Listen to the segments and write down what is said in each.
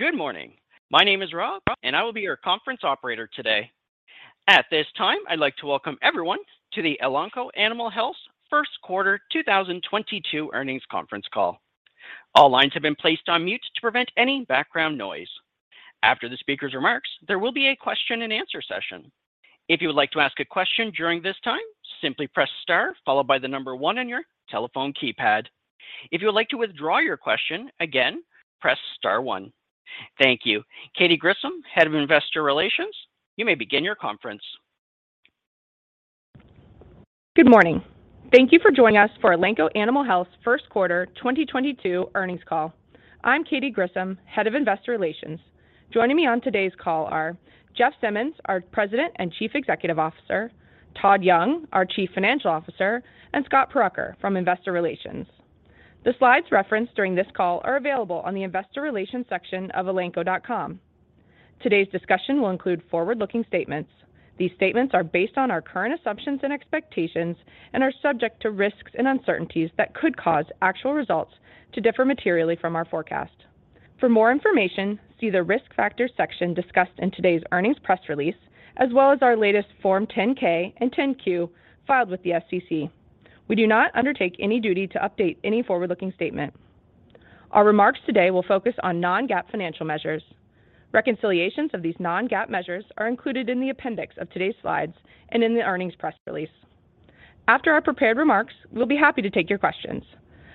Good morning. My name is Rob, and I will be your conference operator today. At this time, I'd like to welcome everyone to the Elanco Animal Health First Quarter 2022 Earnings Conference Call. All lines have been placed on mute to prevent any background noise. After the speaker's remarks, there will be a question-and-answer session. If you would like to ask a question during this time, simply press star followed by the number one on your telephone keypad. If you would like to withdraw your question, again, press star one. Thank you. Katy Grissom, Head of Investor Relations, you may begin your conference. Good morning. Thank you for joining us for Elanco Animal Health First Quarter 2022 Earnings Call. I'm Katy Grissom, Head of Investor Relations. Joining me on today's call are Jeff Simmons, our President and Chief Executive Officer, Todd Young, our Chief Financial Officer, and Scott Purucker from Investor Relations. The slides referenced during this call are available on the investor relations section of elanco.com. Today's discussion will include forward-looking statements. These statements are based on our current assumptions and expectations and are subject to risks and uncertainties that could cause actual results to differ materially from our forecast. For more information, see the Risk Factors section discussed in today's earnings press release, as well as our latest Form 10-K and 10-Q filed with the SEC. We do not undertake any duty to update any forward-looking statement. Our remarks today will focus on non-GAAP financial measures. Reconciliations of these non-GAAP measures are included in the appendix of today's slides and in the earnings press release. After our prepared remarks, we'll be happy to take your questions.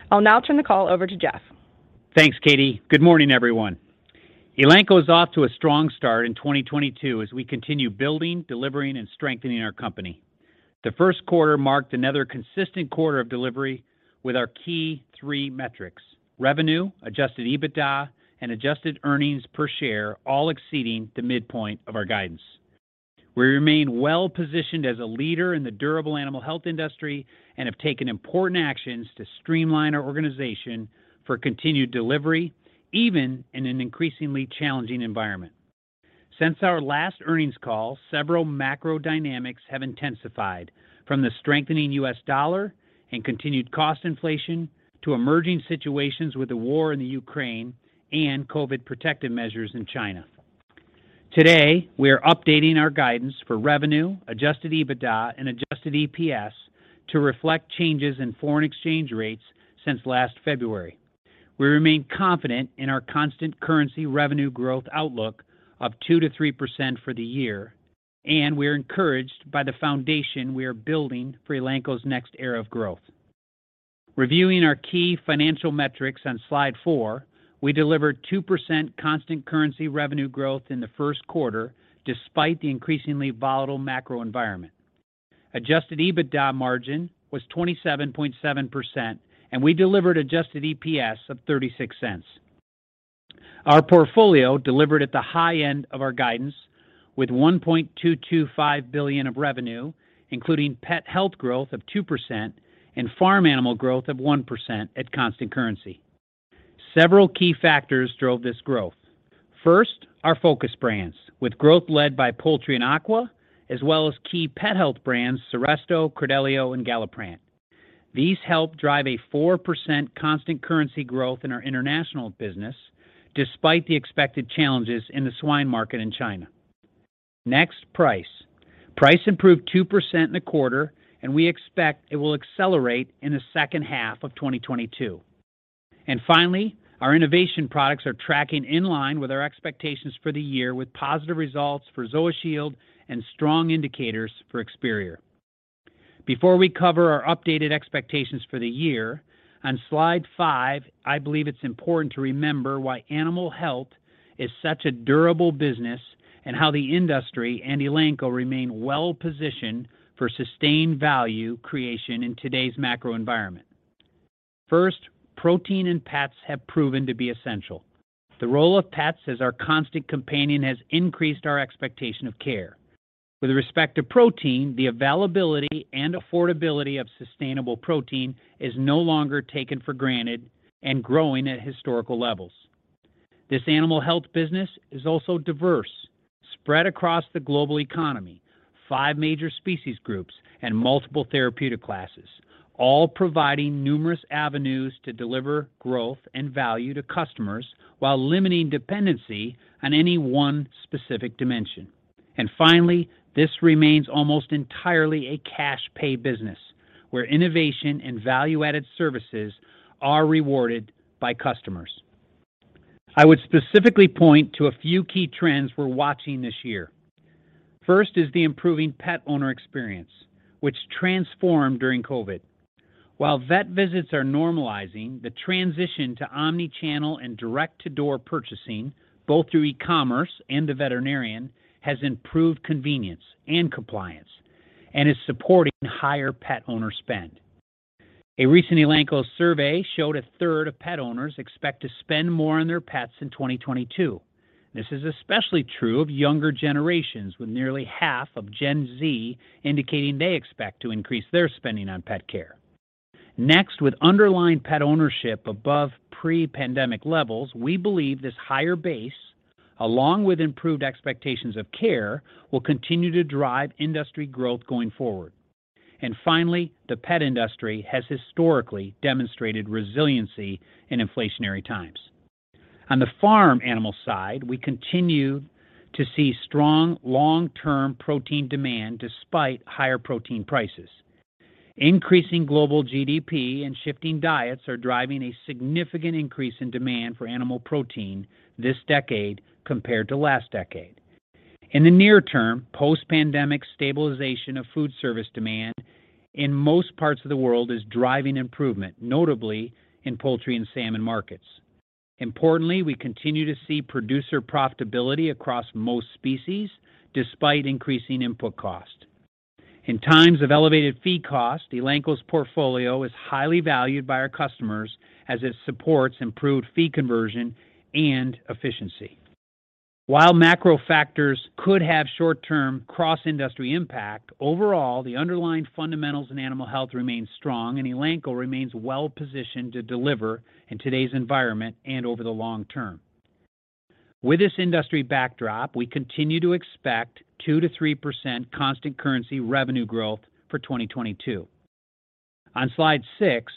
I'll now turn the call over to Jeff. Thanks, Katy. Good morning, everyone. Elanco is off to a strong start in 2022 as we continue building, delivering, and strengthening our company. The first quarter marked another consistent quarter of delivery with our key three metrics: revenue, adjusted EBITDA, and adjusted earnings per share, all exceeding the midpoint of our guidance. We remain well-positioned as a leader in the durable animal health industry and have taken important actions to streamline our organization for continued delivery, even in an increasingly challenging environment. Since our last earnings call, several macro dynamics have intensified, from the strengthening U.S. dollar and continued cost inflation to emerging situations with the war in the Ukraine and COVID protective measures in China. Today, we are updating our guidance for revenue, adjusted EBITDA, and adjusted EPS to reflect changes in foreign exchange rates since last February. We remain confident in our constant currency revenue growth outlook of 2%-3% for the year, and we are encouraged by the foundation we are building for Elanco's next era of growth. Reviewing our key financial metrics on slide four, we delivered 2% constant currency revenue growth in the first quarter despite the increasingly volatile macro environment. Adjusted EBITDA margin was 27.7%, and we delivered adjusted EPS of $0.36. Our portfolio delivered at the high end of our guidance with $1.225 billion of revenue, including Pet Health growth of 2% and Farm Animal growth of 1% at constant currency. Several key factors drove this growth. First, our focused brands, with growth led by poultry and aqua, as well as key pet health brands, Seresto, Credelio, and Galliprant. These help drive a 4% constant currency growth in our international business despite the expected challenges in the swine market in China. Next, price. Price improved 2% in the quarter, and we expect it will accelerate in the second half of 2022. Finally, our innovation products are tracking in line with our expectations for the year with positive results for ZoaShield and strong indicators for Experior. Before we cover our updated expectations for the year, on slide five, I believe it's important to remember why animal health is such a durable business and how the industry and Elanco remain well-positioned for sustained value creation in today's macro environment. First, protein and pets have proven to be essential. The role of pets as our constant companion has increased our expectation of care. With respect to protein, the availability and affordability of sustainable protein is no longer taken for granted and growing at historical levels. This animal health business is also diverse, spread across the global economy, five major species groups, and multiple therapeutic classes, all providing numerous avenues to deliver growth and value to customers while limiting dependency on any one specific dimension. Finally, this remains almost entirely a cash pay business where innovation and value-added services are rewarded by customers. I would specifically point to a few key trends we're watching this year. First is the improving pet owner experience, which transformed during COVID. While vet visits are normalizing, the transition to omni-channel and direct-to-door purchasing, both through e-commerce and the veterinarian, has improved convenience and compliance and is supporting higher pet owner spend. A recent Elanco survey showed a third of pet owners expect to spend more on their pets in 2022. This is especially true of younger generations, with nearly half of Gen Z indicating they expect to increase their spending on pet care. Next, with underlying pet ownership above pre-pandemic levels, we believe this higher base, along with improved expectations of care, will continue to drive industry growth going forward. Finally, the pet industry has historically demonstrated resiliency in inflationary times. On the Farm Animal side, we continue to see strong long-term protein demand despite higher protein prices. Increasing global GDP and shifting diets are driving a significant increase in demand for animal protein this decade compared to last decade. In the near term, post-pandemic stabilization of food service demand in most parts of the world is driving improvement, notably in poultry and salmon markets. Importantly, we continue to see producer profitability across most species despite increasing input cost. In times of elevated feed cost, Elanco's portfolio is highly valued by our customers as it supports improved feed conversion and efficiency. While macro factors could have short-term cross-industry impact, overall, the underlying fundamentals in animal health remain strong, and Elanco remains well positioned to deliver in today's environment and over the long term. With this industry backdrop, we continue to expect 2%-3% constant currency revenue growth for 2022. On slide six,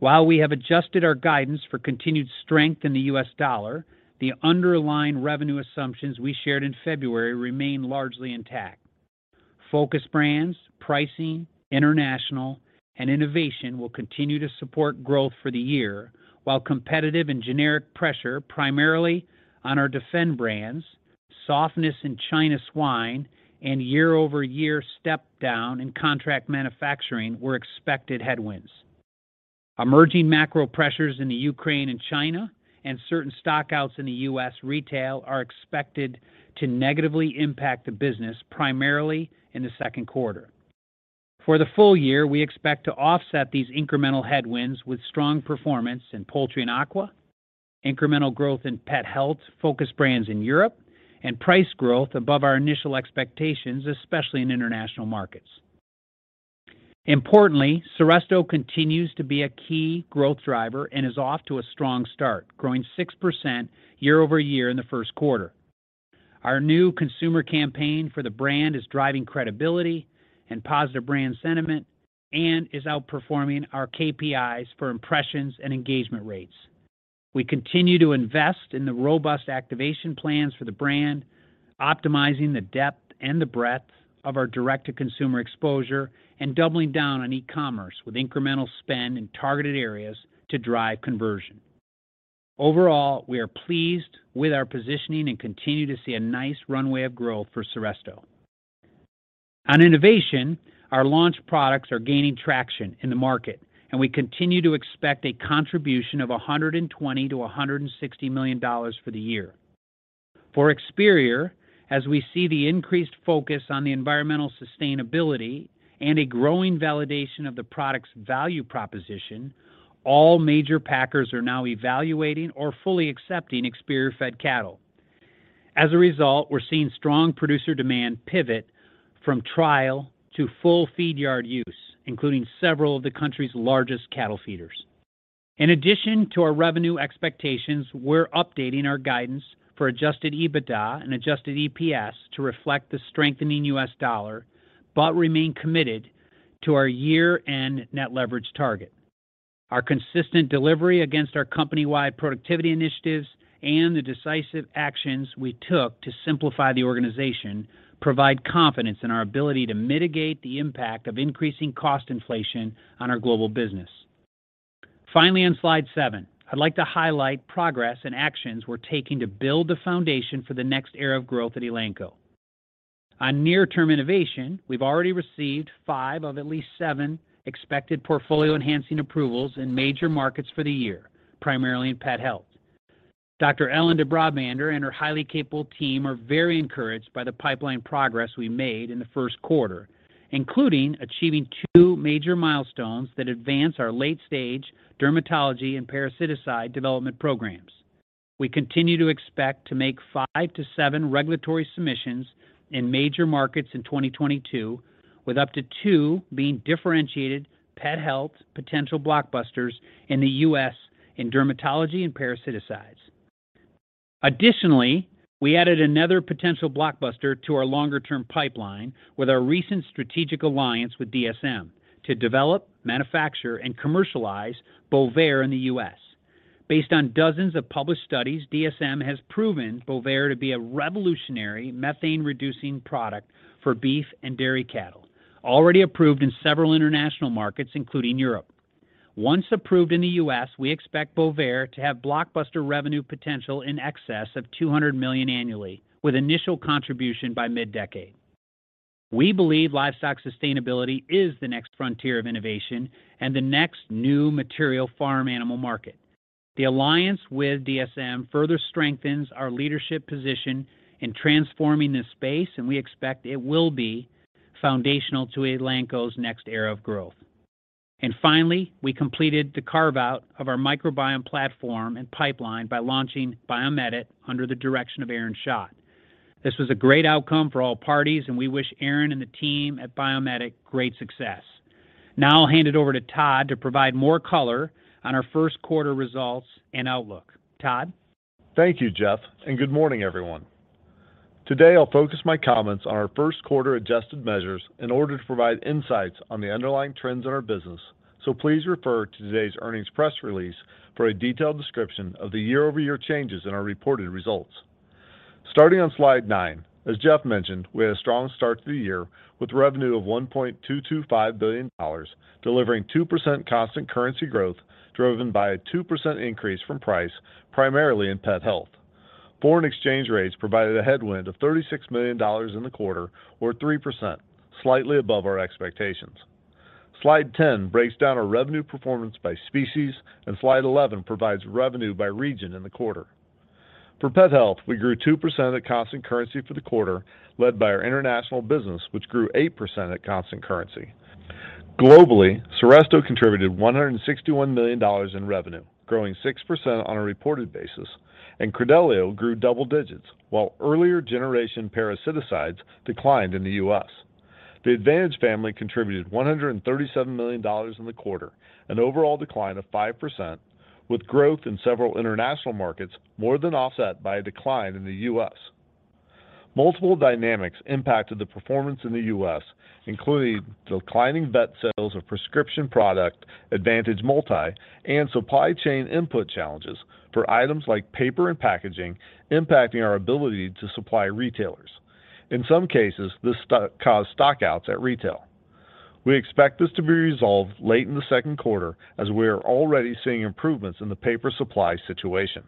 while we have adjusted our guidance for continued strength in the U.S. dollar, the underlying revenue assumptions we shared in February remain largely intact. Focus brands, pricing, international, and innovation will continue to support growth for the year while competitive and generic pressure, primarily on our Defend brands, softness in China swine, and year-over-year step down in contract manufacturing were expected headwinds. Emerging macro pressures in the Ukraine and China and certain stock-outs in the U.S. retail are expected to negatively impact the business primarily in the second quarter. For the full year, we expect to offset these incremental headwinds with strong performance in poultry and aqua, incremental growth in Pet Health, focus brands in Europe, and price growth above our initial expectations, especially in international markets. Importantly, Seresto continues to be a key growth driver and is off to a strong start, growing 6% year-over-year in the first quarter. Our new consumer campaign for the brand is driving credibility and positive brand sentiment and is outperforming our KPIs for impressions and engagement rates. We continue to invest in the robust activation plans for the brand, optimizing the depth and the breadth of our direct-to-consumer exposure, and doubling down on e-commerce with incremental spend in targeted areas to drive conversion. Overall, we are pleased with our positioning and continue to see a nice runway of growth for Seresto. On innovation, our launch products are gaining traction in the market, and we continue to expect a contribution of $120 million-$160 million for the year. For Experior, as we see the increased focus on the environmental sustainability and a growing validation of the product's value proposition, all major packers are now evaluating or fully accepting Experior fed cattle. As a result, we're seeing strong producer demand pivot from trial to full feed yard use, including several of the country's largest cattle feeders. In addition to our revenue expectations, we're updating our guidance for adjusted EBITDA and adjusted EPS to reflect the strengthening U.S. dollar, but remain committed to our year-end net leverage target. Our consistent delivery against our company-wide productivity initiatives and the decisive actions we took to simplify the organization provide confidence in our ability to mitigate the impact of increasing cost inflation on our global business. Finally, on slide seven, I'd like to highlight progress and actions we're taking to build the foundation for the next era of growth at Elanco. On near-term innovation, we've already received five of at least seven expected portfolio-enhancing approvals in major markets for the year, primarily in Pet Health. Dr. Ellen de Brabander and her highly capable team are very encouraged by the pipeline progress we made in the first quarter, including achieving two major milestones that advance our late-stage dermatology and parasitic development programs. We continue to expect to make 5-7 regulatory submissions in major markets in 2022, with up to two being differentiated pet health potential blockbusters in the U.S. in dermatology and parasiticides. Additionally, we added another potential blockbuster to our longer-term pipeline with our recent strategic alliance with DSM to develop, manufacture, and commercialize Bovaer in the U.S. Based on dozens of published studies, DSM has proven Bovaer to be a revolutionary methane-reducing product for beef and dairy cattle, already approved in several international markets, including Europe. Once approved in the U.S., we expect Bovaer to have blockbuster revenue potential in excess of $200 million annually, with initial contribution by mid-decade. We believe livestock sustainability is the next frontier of innovation and the next new material farm animal market. The alliance with DSM further strengthens our leadership position in transforming this space, and we expect it will be foundational to Elanco's next era of growth. Finally, we completed the carve-out of our microbiome platform and pipeline by launching BiomEdit under the direction of Aaron Schacht. This was a great outcome for all parties, and we wish Aaron and the team at BiomEdit great success. Now I'll hand it over to Todd to provide more color on our first quarter results and outlook. Todd? Thank you, Jeff, and good morning, everyone. Today, I'll focus my comments on our first quarter adjusted measures in order to provide insights on the underlying trends in our business. Please refer to today's earnings press release for a detailed description of the year-over-year changes in our reported results. Starting on slide nine, as Jeff mentioned, we had a strong start to the year with revenue of $1.225 billion, delivering 2% constant currency growth, driven by a 2% increase from price, primarily in Pet Health. Foreign exchange rates provided a headwind of $36 million in the quarter, or 3%, slightly above our expectations. Slide 10 breaks down our revenue performance by species, and slide 11 provides revenue by region in the quarter. For Pet Health, we grew 2% at constant currency for the quarter, led by our international business, which grew 8% at constant currency. Globally, Seresto contributed $161 million in revenue, growing 6% on a reported basis, and Credelio grew double digits, while earlier generation parasiticides declined in the U.S. The Advantage family contributed $137 million in the quarter, an overall decline of 5%, with growth in several international markets more than offset by a decline in the U.S. Multiple dynamics impacted the performance in the U.S., including declining vet sales of prescription product, Advantage Multi, and supply chain input challenges for items like paper and packaging impacting our ability to supply retailers. In some cases, this caused stock-outs at retail. We expect this to be resolved late in the second quarter as we are already seeing improvements in the paper supply situation.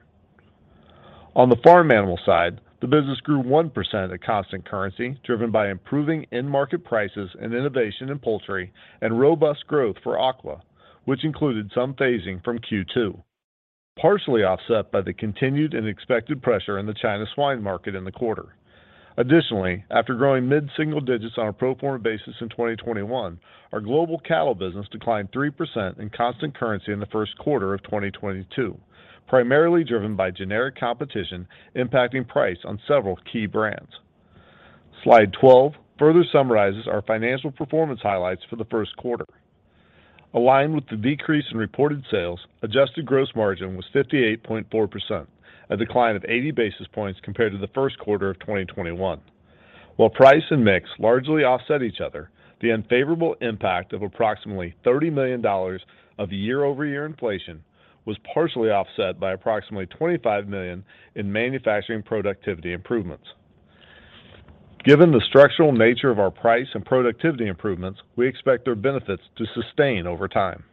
On the Farm Animal side, the business grew 1% at constant currency, driven by improving end market prices and innovation in poultry and robust growth for aqua, which included some phasing from Q2, partially offset by the continued and expected pressure in the China swine market in the quarter. Additionally, after growing mid-single digits on a pro forma basis in 2021, our global cattle business declined 3% in constant currency in the first quarter of 2022, primarily driven by generic competition impacting price on several key brands. Slide 12 further summarizes our financial performance highlights for the first quarter. Aligned with the decrease in reported sales, adjusted gross margin was 58.4%, a decline of 80 basis points compared to the first quarter of 2021. While price and mix largely offset each other, the unfavorable impact of approximately $30 million of year-over-year inflation was partially offset by approximately $25 million in manufacturing productivity improvements. Given the structural nature of our price and productivity improvements, we expect their benefits to sustain over time.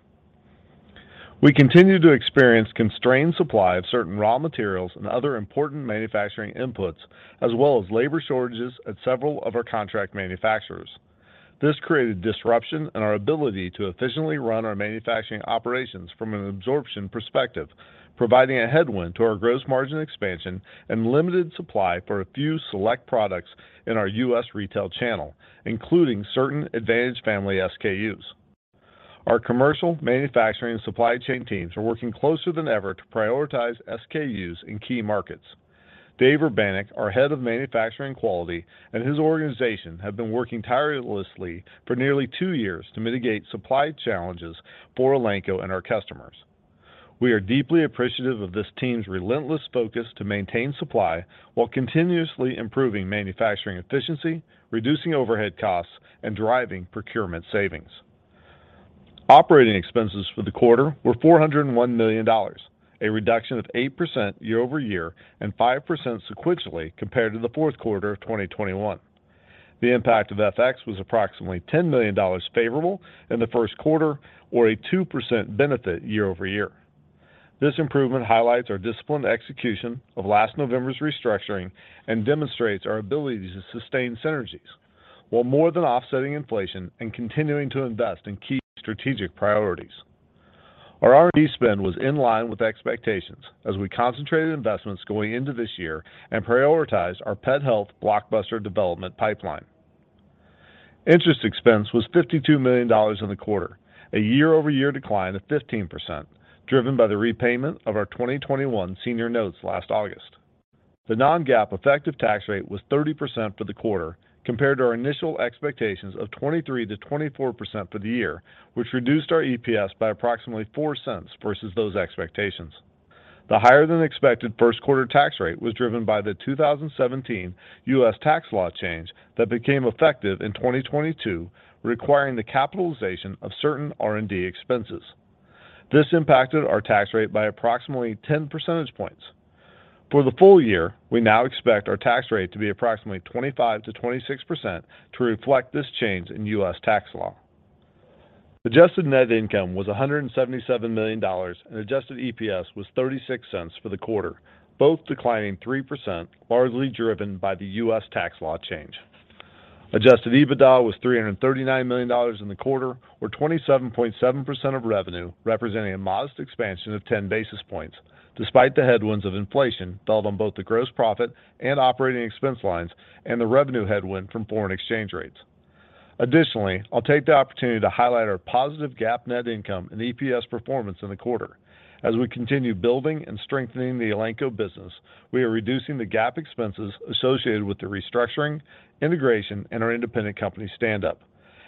We continue to experience constrained supply of certain raw materials and other important manufacturing inputs, as well as labor shortages at several of our contract manufacturers. This created disruption in our ability to efficiently run our manufacturing operations from an absorption perspective, providing a headwind to our gross margin expansion and limited supply for a few select products in our U.S. retail channel, including certain Advantage Family SKUs. Our commercial manufacturing and supply chain teams are working closer than ever to prioritize SKUs in key markets. Dave Urbanek, our Head of Manufacturing and Quality, and his organization have been working tirelessly for nearly two years to mitigate supply challenges for Elanco and our customers. We are deeply appreciative of this team's relentless focus to maintain supply while continuously improving manufacturing efficiency, reducing overhead costs, and driving procurement savings. Operating expenses for the quarter were $401 million, a reduction of 8% year-over-year and 5% sequentially compared to the fourth quarter of 2021. The impact of FX was approximately $10 million favorable in the first quarter or a 2% benefit year-over-year. This improvement highlights our disciplined execution of last November's restructuring and demonstrates our ability to sustain synergies while more than offsetting inflation and continuing to invest in key strategic priorities. Our R&D spend was in line with expectations as we concentrated investments going into this year and prioritized our Pet Health Blockbuster development pipeline. Interest expense was $52 million in the quarter, a year-over-year decline of 15%, driven by the repayment of our 2021 senior notes last August. The non-GAAP effective tax rate was 30% for the quarter, compared to our initial expectations of 23%-24% for the year, which reduced our EPS by approximately $0.04 versus those expectations. The higher-than-expected first quarter tax rate was driven by the 2017 U.S. tax law change that became effective in 2022, requiring the capitalization of certain R&D expenses. This impacted our tax rate by approximately 10 percentage points. For the full year, we now expect our tax rate to be approximately 25%-26% to reflect this change in U.S. tax law. Adjusted net income was $177 million, and adjusted EPS was $0.36 for the quarter, both declining 3%, largely driven by the U.S. tax law change. Adjusted EBITDA was $339 million in the quarter or 27.7% of revenue, representing a modest expansion of 10 basis points, despite the headwinds of inflation felt on both the gross profit and operating expense lines and the revenue headwind from foreign exchange rates. Additionally, I'll take the opportunity to highlight our positive GAAP net income and EPS performance in the quarter. As we continue building and strengthening the Elanco business, we are reducing the GAAP expenses associated with the restructuring, integration, and our independent company stand up.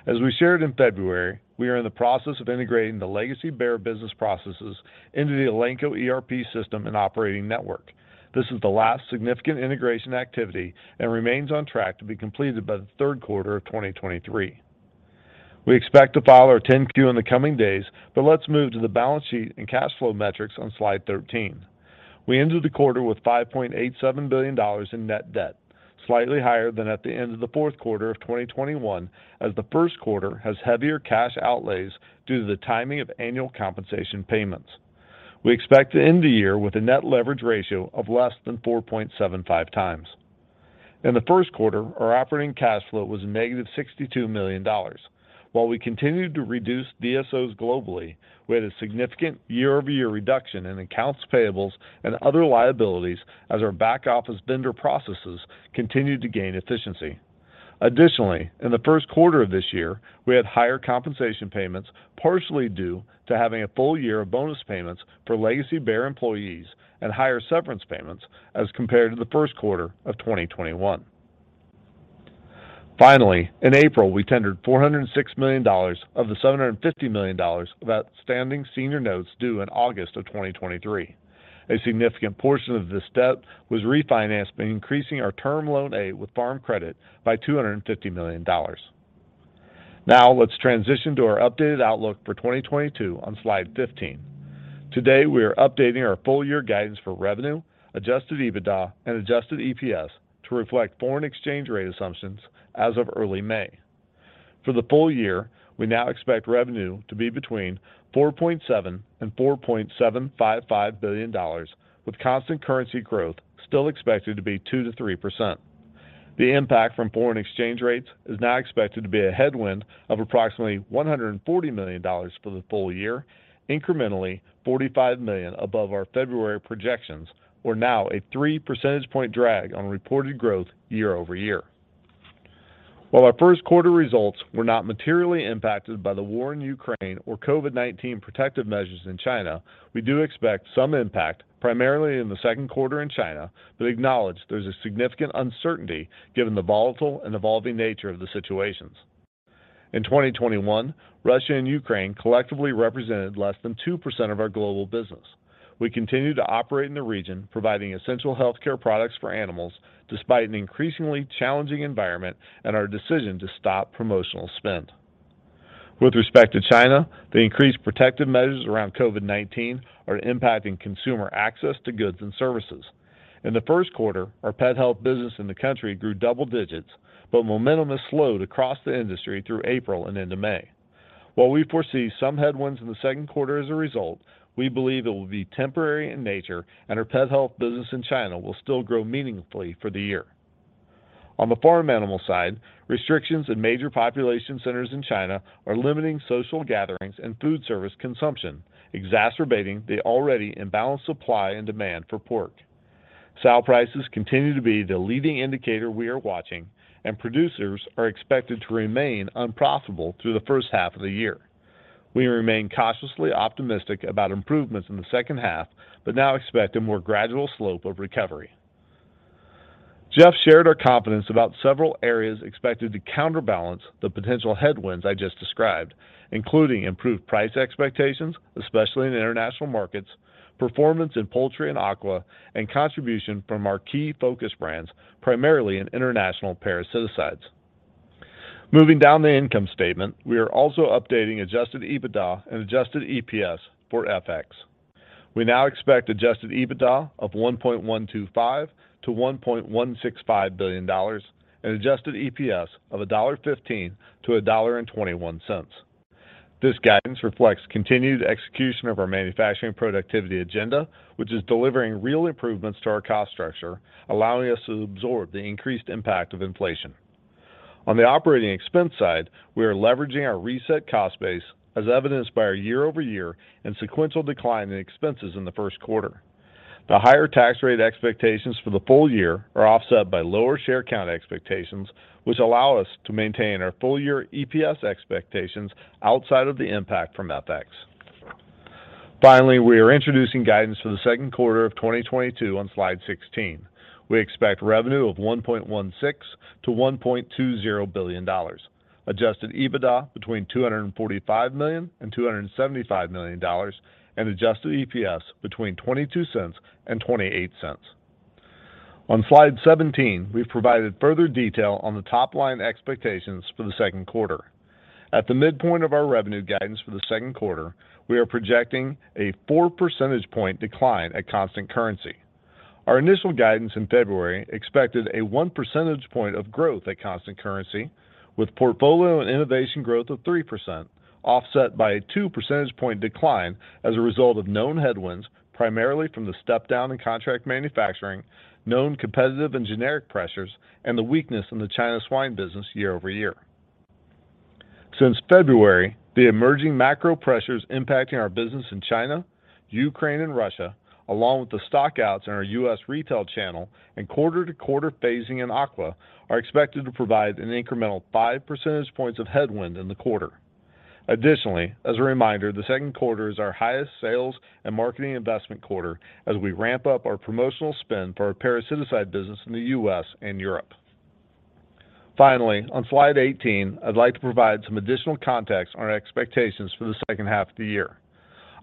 As we shared in February, we are in the process of integrating the legacy Bayer business processes into the Elanco ERP system and operating network. This is the last significant integration activity and remains on track to be completed by the third quarter of 2023. We expect to file our 10-Q in the coming days, but let's move to the balance sheet and cash flow metrics on slide 13. We ended the quarter with $5.87 billion in net debt, slightly higher than at the end of the fourth quarter of 2021 as the first quarter has heavier cash outlays due to the timing of annual compensation payments. We expect to end the year with a net leverage ratio of less than 4.75x. In the first quarter, our operating cash flow was -$62 million. While we continued to reduce DSOs globally, we had a significant year-over-year reduction in accounts payables and other liabilities as our back-office vendor processes continued to gain efficiency. Additionally, in the first quarter of this year, we had higher compensation payments, partially due to having a full year of bonus payments for legacy Bayer employees and higher severance payments as compared to the first quarter of 2021. Finally, in April, we tendered $406 million of the $750 million of outstanding senior notes due in August of 2023. A significant portion of this debt was refinanced by increasing our term loan A with Farm Credit by $250 million. Now, let's transition to our updated outlook for 2022 on slide 15. Today, we are updating our full year guidance for revenue, adjusted EBITDA, and adjusted EPS to reflect foreign exchange rate assumptions as of early May. For the full year, we now expect revenue to be between $4.7 billion and $4.755 billion, with constant currency growth still expected to be 2%-3%. The impact from foreign exchange rates is now expected to be a headwind of approximately $140 million for the full year, incrementally $45 million above our February projections or now a 3 percentage point drag on reported growth year-over-year. While our first quarter results were not materially impacted by the war in Ukraine or COVID-19 protective measures in China, we do expect some impact primarily in the second quarter in China, but acknowledge there's a significant uncertainty given the volatile and evolving nature of the situations. In 2021, Russia and Ukraine collectively represented less than 2% of our global business. We continue to operate in the region, providing essential healthcare products for animals despite an increasingly challenging environment and our decision to stop promotional spend. With respect to China, the increased protective measures around COVID-19 are impacting consumer access to goods and services. In the first quarter, our Pet Health business in the country grew double digits, but momentum has slowed across the industry through April and into May. While we foresee some headwinds in the second quarter as a result, we believe it will be temporary in nature and our Pet Health business in China will still grow meaningfully for the year. On the Farm Animal side, restrictions in major population centers in China are limiting social gatherings and food service consumption, exacerbating the already imbalanced supply and demand for pork. Sow prices continue to be the leading indicator we are watching, and producers are expected to remain unprofitable through the first half of the year. We remain cautiously optimistic about improvements in the second half, but now expect a more gradual slope of recovery. Jeff shared our confidence about several areas expected to counterbalance the potential headwinds I just described, including improved price expectations, especially in international markets, performance in poultry and aqua, and contribution from our key focus brands, primarily in international parasiticides. Moving down the income statement, we are also updating adjusted EBITDA and adjusted EPS for FX. We now expect adjusted EBITDA of $1.125 billion-$1.165 billion and adjusted EPS of $1.15-$1.21. This guidance reflects continued execution of our manufacturing productivity agenda, which is delivering real improvements to our cost structure, allowing us to absorb the increased impact of inflation. On the operating expense side, we are leveraging our reset cost base as evidenced by our year-over-year and sequential decline in expenses in the first quarter. The higher tax rate expectations for the full year are offset by lower share count expectations, which allow us to maintain our full year EPS expectations outside of the impact from FX. Finally, we are introducing guidance for the second quarter of 2022 on slide 16. We expect revenue of $1.16 billion-$1.20 billion, adjusted EBITDA between $245 million and $275 million, and adjusted EPS between $0.22 and $0.28. On slide 17, we've provided further detail on the top-line expectations for the second quarter. At the midpoint of our revenue guidance for the second quarter, we are projecting a 4 percentage point decline at constant currency. Our initial guidance in February expected a 1 percentage point of growth at constant currency with portfolio and innovation growth of 3% offset by a 2 percentage point decline as a result of known headwinds, primarily from the step down in contract manufacturing, known competitive and generic pressures, and the weakness in the China swine business year-over-year. Since February, the emerging macro pressures impacting our business in China, Ukraine and Russia, along with the stockouts in our U.S. retail channel and quarter-to-quarter phasing in aqua, are expected to provide an incremental 5 percentage points of headwind in the quarter. Additionally, as a reminder, the second quarter is our highest sales and marketing investment quarter as we ramp up our promotional spend for our parasiticide business in the U.S. and Europe. Finally, on slide 18, I'd like to provide some additional context on our expectations for the second half of the year.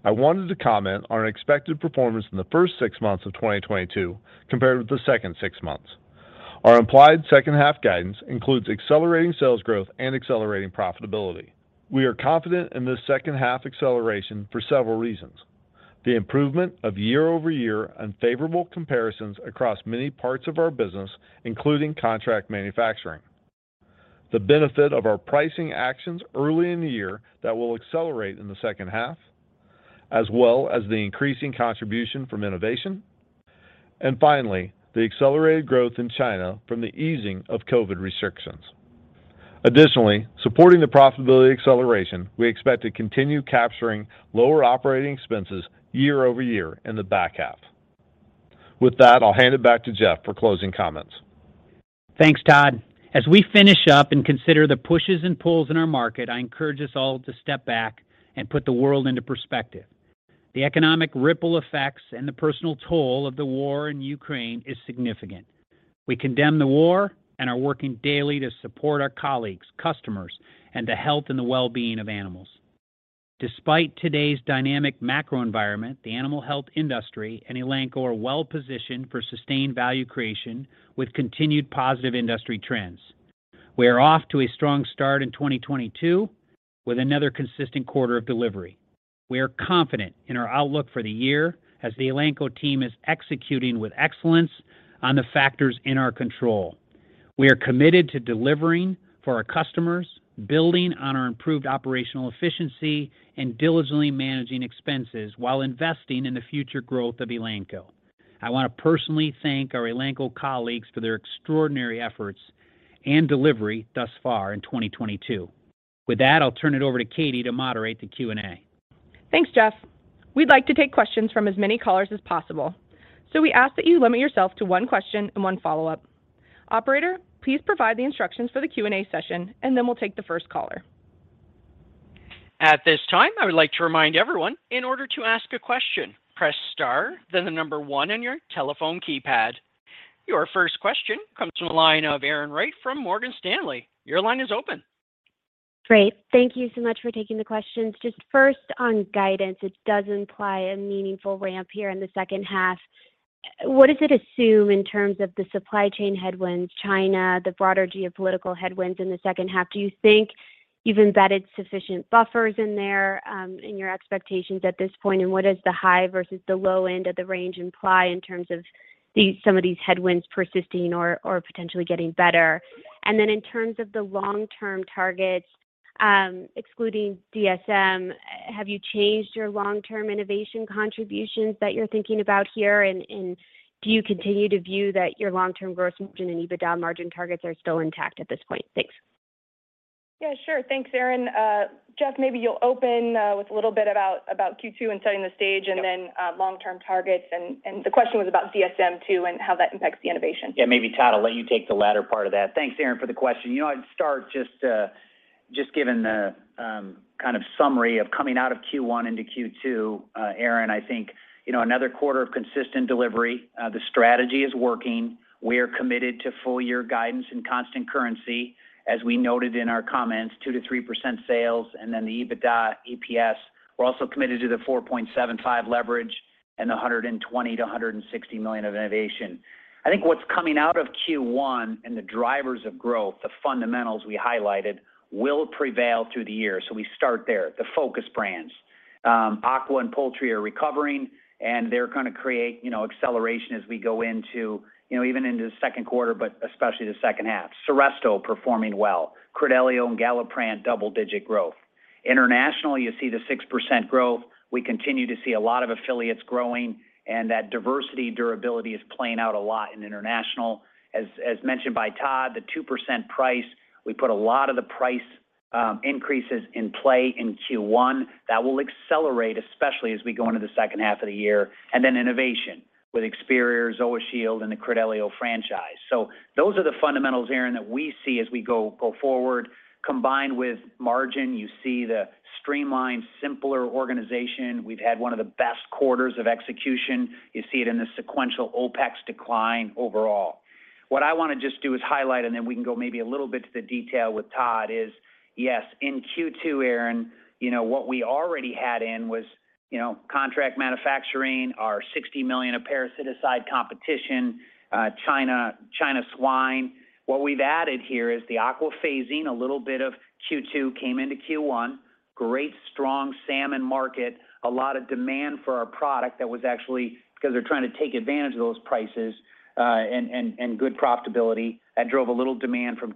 I wanted to comment on our expected performance in the first six months of 2022 compared with the second six months. Our implied second half guidance includes accelerating sales growth and accelerating profitability. We are confident in this second half acceleration for several reasons. The improvement of year-over-year unfavorable comparisons across many parts of our business, including contract manufacturing. The benefit of our pricing actions early in the year that will accelerate in the second half, as well as the increasing contribution from innovation. Finally, the accelerated growth in China from the easing of COVID restrictions. Additionally, supporting the profitability acceleration, we expect to continue capturing lower operating expenses year-over-year in the back half. With that, I'll hand it back to Jeff for closing comments. Thanks, Todd. As we finish up and consider the pushes and pulls in our market, I encourage us all to step back and put the world into perspective. The economic ripple effects and the personal toll of the war in Ukraine is significant. We condemn the war and are working daily to support our colleagues, customers, and the health and the well-being of animals. Despite today's dynamic macro environment, the animal health industry and Elanco are well-positioned for sustained value creation with continued positive industry trends. We are off to a strong start in 2022 with another consistent quarter of delivery. We are confident in our outlook for the year as the Elanco team is executing with excellence on the factors in our control. We are committed to delivering for our customers, building on our improved operational efficiency and diligently managing expenses while investing in the future growth of Elanco. I want to personally thank our Elanco colleagues for their extraordinary efforts and delivery thus far in 2022. With that, I'll turn it over to Katy to moderate the Q&A. Thanks, Jeff. We'd like to take questions from as many callers as possible. We ask that you limit yourself to one question and one follow-up. Operator, please provide the instructions for the Q&A session, and then we'll take the first caller. At this time, I would like to remind everyone, in order to ask a question, press star, then the number one on your telephone keypad. Your first question comes from the line of Erin Wright from Morgan Stanley. Your line is open. Great. Thank you so much for taking the questions. Just first on guidance, it does imply a meaningful ramp here in the second half. What does it assume in terms of the supply chain headwinds, China, the broader geopolitical headwinds in the second half? Do you think you've embedded sufficient buffers in there in your expectations at this point? And what does the high versus the low end of the range imply in terms of some of these headwinds persisting or potentially getting better? And then in terms of the long-term targets, excluding DSM, have you changed your long-term innovation contributions that you're thinking about here? And do you continue to view that your long-term growth and EBITDA margin targets are still intact at this point? Thanks. Yeah, sure. Thanks, Erin. Jeff, maybe you'll open with a little bit about Q2 and setting the stage and then long-term targets. The question was about DSM, too, and how that impacts the innovation. Yeah, maybe, Todd, I'll let you take the latter part of that. Thanks, Erin, for the question. You know, I'd start just giving the kind of summary of coming out of Q1 into Q2, Erin. I think, you know, another quarter of consistent delivery. The strategy is working. We are committed to full-year guidance and constant currency. As we noted in our comments, 2%-3% sales, and then the EBITDA, EPS. We're also committed to the 4.75% leverage and the $120 million-$160 million of innovation. I think what's coming out of Q1 and the drivers of growth, the fundamentals we highlighted, will prevail through the year. We start there, the focus brands. Aqua and poultry are recovering, and they're gonna create, you know, acceleration as we go into, you know, even into the second quarter, but especially the second half. Seresto performing well. Credelio and Galliprant, double-digit growth. Internationally, you see the 6% growth. We continue to see a lot of affiliates growing, and that diversity durability is playing out a lot in international. As mentioned by Todd, the 2% price, we put a lot of the price increases in play in Q1. That will accelerate, especially as we go into the second half of the year. Innovation with Experior, ZoaShield, and the Credelio franchise. Those are the fundamentals, Erin, that we see as we go forward. Combined with margin, you see the streamlined, simpler organization. We've had one of the best quarters of execution. You see it in the sequential OpEx decline overall. What I wanna just do is highlight, and then we can go maybe a little bit to the detail with Todd, is, yes, in Q2, Erin, you know, what we already had in was, you know, contract manufacturing, our $60 million of parasitic competition, China swine. What we've added here is the aqua phasing. A little bit of Q2 came into Q1. Great, strong salmon market. A lot of demand for our product that was actually because they're trying to take advantage of those prices, and good profitability. That drove a little demand from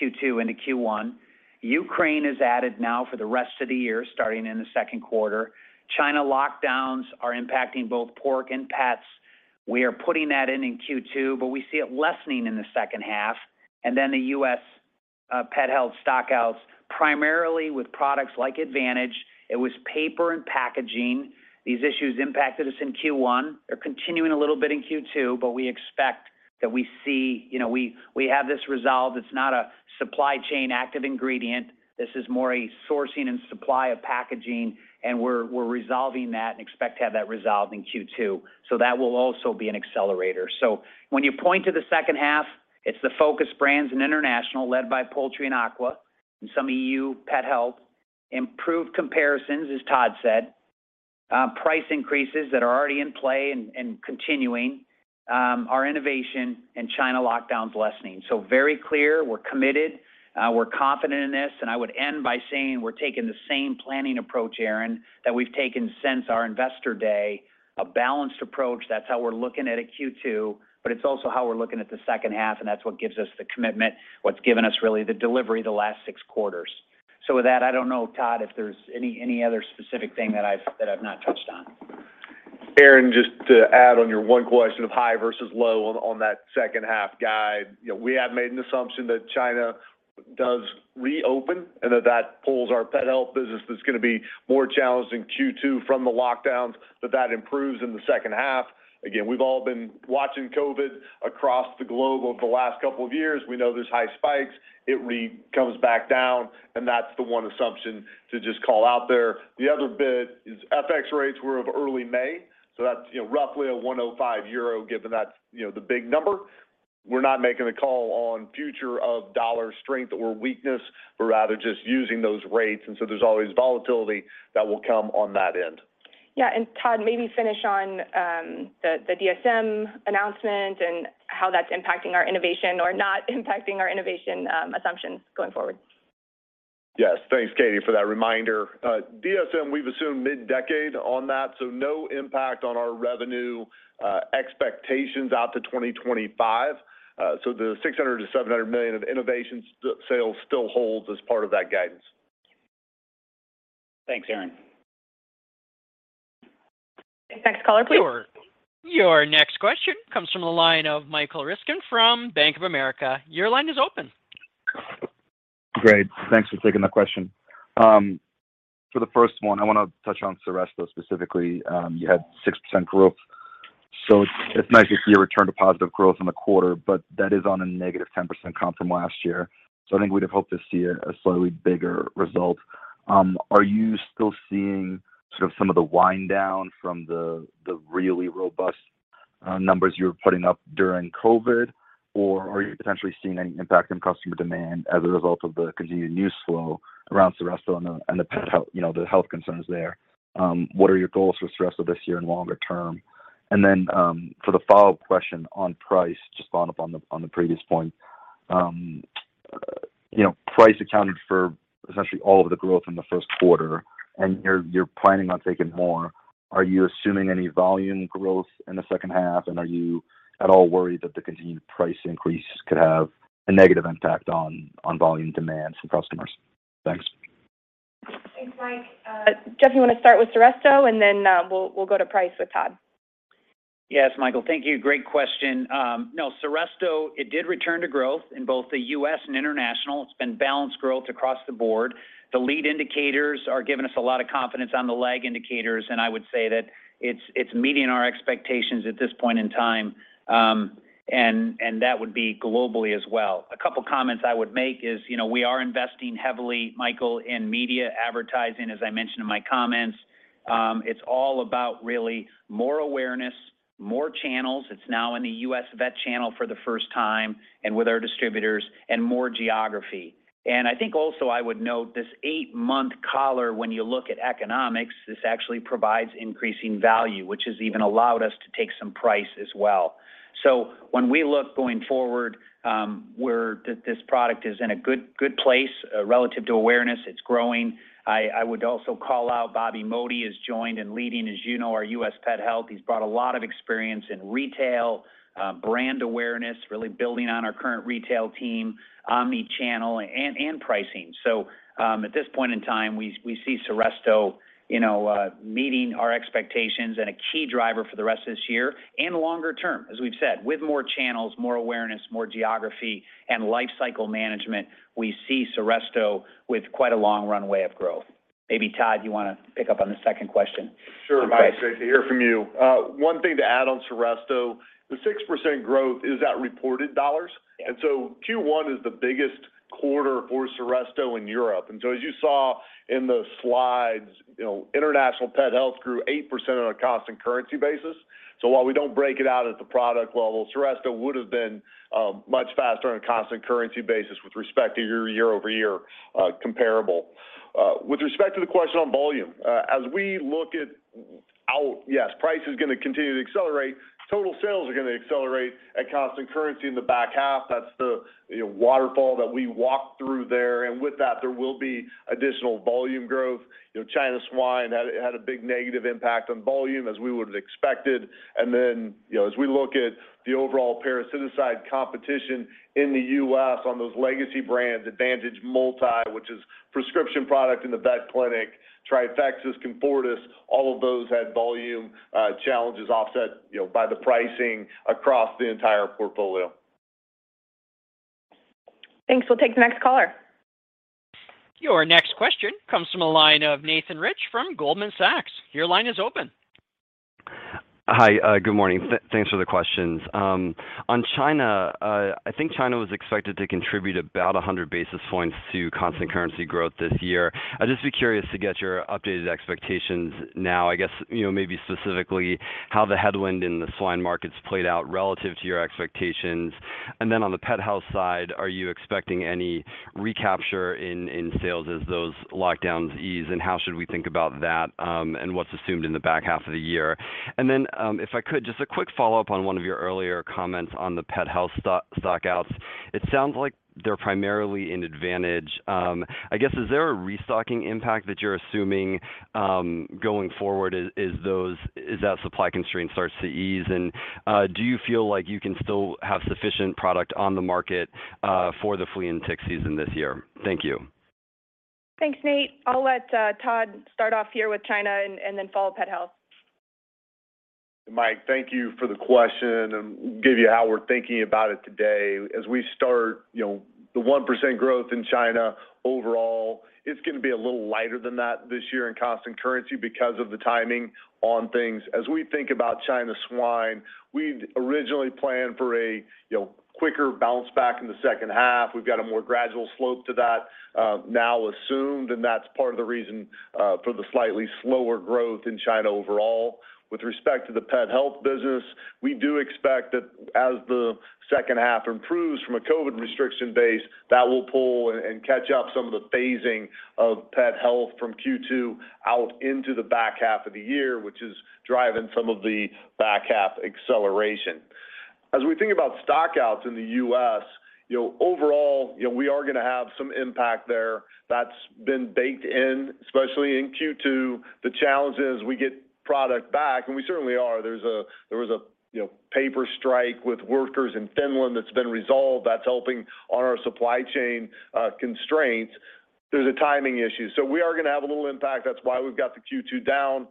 Q2 into Q1. Ukraine is added now for the rest of the year, starting in the second quarter. China lockdowns are impacting both pork and pets. We are putting that in in Q2, but we see it lessening in the second half. The U.S. pet health stockouts, primarily with products like Advantage. It was paper and packaging. These issues impacted us in Q1. They're continuing a little bit in Q2, but we expect that we see, you know, we have this resolved. It's not a supply chain active ingredient. This is more a sourcing and supply of packaging, and we're resolving that and expect to have that resolved in Q2. That will also be an accelerator. When you point to the second half, it's the focus brands and international led by poultry and aqua and some EU Pet Health. Improved comparisons, as Todd said. Price increases that are already in play and continuing. Our innovation and China lockdowns lessening. Very clear, we're committed, we're confident in this. I would end by saying we're taking the same planning approach, Erin, that we've taken since our investor day, a balanced approach. That's how we're looking at it Q2, but it's also how we're looking at the second half, and that's what gives us the commitment, what's given us really the delivery the last six quarters. With that, I don't know, Todd, if there's any other specific thing that I've not touched on. Erin, just to add on your one question of high versus low on that second half guide. You know, we have made an assumption that China does reopen and that pulls our Pet Health business that's gonna be more challenged in Q2 from the lockdowns, that improves in the second half. Again, we've all been watching COVID across the globe over the last couple of years. We know there's high spikes. It comes back down, and that's the one assumption to just call out there. The other bit is FX rates were of early May, so that's, you know, roughly a 1.05 euro, given that's, you know, the big number. We're not making a call on future of dollar strength or weakness, but rather just using those rates. There's always volatility that will come on that end. Yeah. Todd, maybe finish on the DSM announcement and how that's impacting our innovation or not impacting our innovation assumptions going forward. Yes. Thanks, Katy, for that reminder. DSM, we've assumed mid-decade on that, so no impact on our revenue, expectations out to 2025. The $600 million-$700 million of innovation sales still holds as part of that guidance. Thanks, Erin. Next caller, please. Sure. Your next question comes from the line of Michael Ryskin from Bank of America. Your line is open. Great. Thanks for taking the question. For the first one, I wanna touch on Seresto specifically. You had 6% growth. It's nice to see a return to positive growth in the quarter, but that is on a -10% comp from last year. I think we'd have hoped to see a slightly bigger result. Are you still seeing sort of some of the wind down from the really robust numbers you're putting up during COVID? Or are you potentially seeing any impact in customer demand as a result of the continued news flow around Seresto and the Pet Health, you know, the health concerns there? What are your goals for Seresto this year and longer term? For the follow-up question on price, just following up on the previous point. You know, price accounted for essentially all of the growth in the first quarter, and you're planning on taking more. Are you assuming any volume growth in the second half, and are you at all worried that the continued price increases could have a negative impact on volume demands from customers? Thanks. Thanks, Mike. Jeff, you wanna start with Seresto, and then, we'll go to price with Todd. Yes, Michael. Thank you. Great question. No, Seresto, it did return to growth in both the U.S. and international. It's been balanced growth across the board. The lead indicators are giving us a lot of confidence on the lag indicators, and I would say that it's meeting our expectations at this point in time, and that would be globally as well. A couple comments I would make is, you know, we are investing heavily, Michael, in media advertising, as I mentioned in my comments. It's all about really more awareness, more channels. It's now in the U.S. vet channel for the first time and with our distributors and more geography. I think also I would note this eight-month collar, when you look at economics, this actually provides increasing value, which has even allowed us to take some price as well. When we look going forward, this product is in a good place relative to awareness. It's growing. I would also call out Bobby Modi has joined and leading, as you know, our U.S. Pet Health. He's brought a lot of experience in retail, brand awareness, really building on our current retail team, omni-channel and pricing. At this point in time, we see Seresto, you know, meeting our expectations and a key driver for the rest of this year and longer term, as we've said. With more channels, more awareness, more geography, and life cycle management, we see Seresto with quite a long runway of growth. Maybe Todd, you wanna pick up on the second question? Sure, Mike. Great to hear from you. One thing to add on Seresto, the 6% growth is at reported dollars. Q1 is the biggest quarter for Seresto in Europe. As you saw in the slides, you know, international Pet Health grew 8% on a cost and currency basis. While we don't break it out at the product level, Seresto would have been much faster on a cost and currency basis with respect to your year-over-year comparable. With respect to the question on volume, yes, price is gonna continue to accelerate. Total sales are gonna accelerate at cost and currency in the back half. That's the, you know, waterfall that we walked through there. With that, there will be additional volume growth. You know, China swine had a big negative impact on volume as we would've expected. Then, you know, as we look at the overall parasitic competition in the U.S. on those legacy brands, Advantage Multi, which is prescription product in the vet clinic, Trifexis, Comfortis, all of those had volume challenges offset, you know, by the pricing across the entire portfolio. Thanks. We'll take the next caller. Your next question comes from the line of Nathan Rich from Goldman Sachs. Your line is open. Hi. Good morning. Thanks for the questions. On China, I think China was expected to contribute about 100 basis points to constant currency growth this year. I'd just be curious to get your updated expectations now, I guess, you know, maybe specifically how the headwind in the swine markets played out relative to your expectations. Then on the Pet Health side, are you expecting any recapture in sales as those lockdowns ease, and how should we think about that, and what's assumed in the back half of the year? Then, if I could, just a quick follow-up on one of your earlier comments on the Pet Health stock-outs. It sounds like they're primarily Advantage. I guess, is there a restocking impact that you're assuming going forward as that supply constraint starts to ease? Do you feel like you can still have sufficient product on the market, for the flea and tick season this year? Thank you. Thanks, Nate. I'll let Todd start off here with China and then follow Pet Health. Mike, thank you for the question, and give you how we're thinking about it today. As we start, you know, the 1% growth in China overall, it's gonna be a little lighter than that this year in constant currency because of the timing on things. As we think about China swine, we'd originally planned for, you know, quicker bounce back in the second half. We've got a more gradual slope to that, now assumed, and that's part of the reason for the slightly slower growth in China overall. With respect to the Pet Health business, we do expect that as the second half improves from a COVID restriction base, that will pull and catch up some of the phasing of Pet Health from Q2 out into the back half of the year, which is driving some of the back half acceleration. As we think about stock-outs in the U.S., you know, overall, you know, we are gonna have some impact there. That's been baked in, especially in Q2. The challenge is we get product back, and we certainly are. There was a, you know, paper strike with workers in Finland that's been resolved. That's helping on our supply chain constraints. There's a timing issue. We are gonna have a little impact. That's why we've got the Q2 down.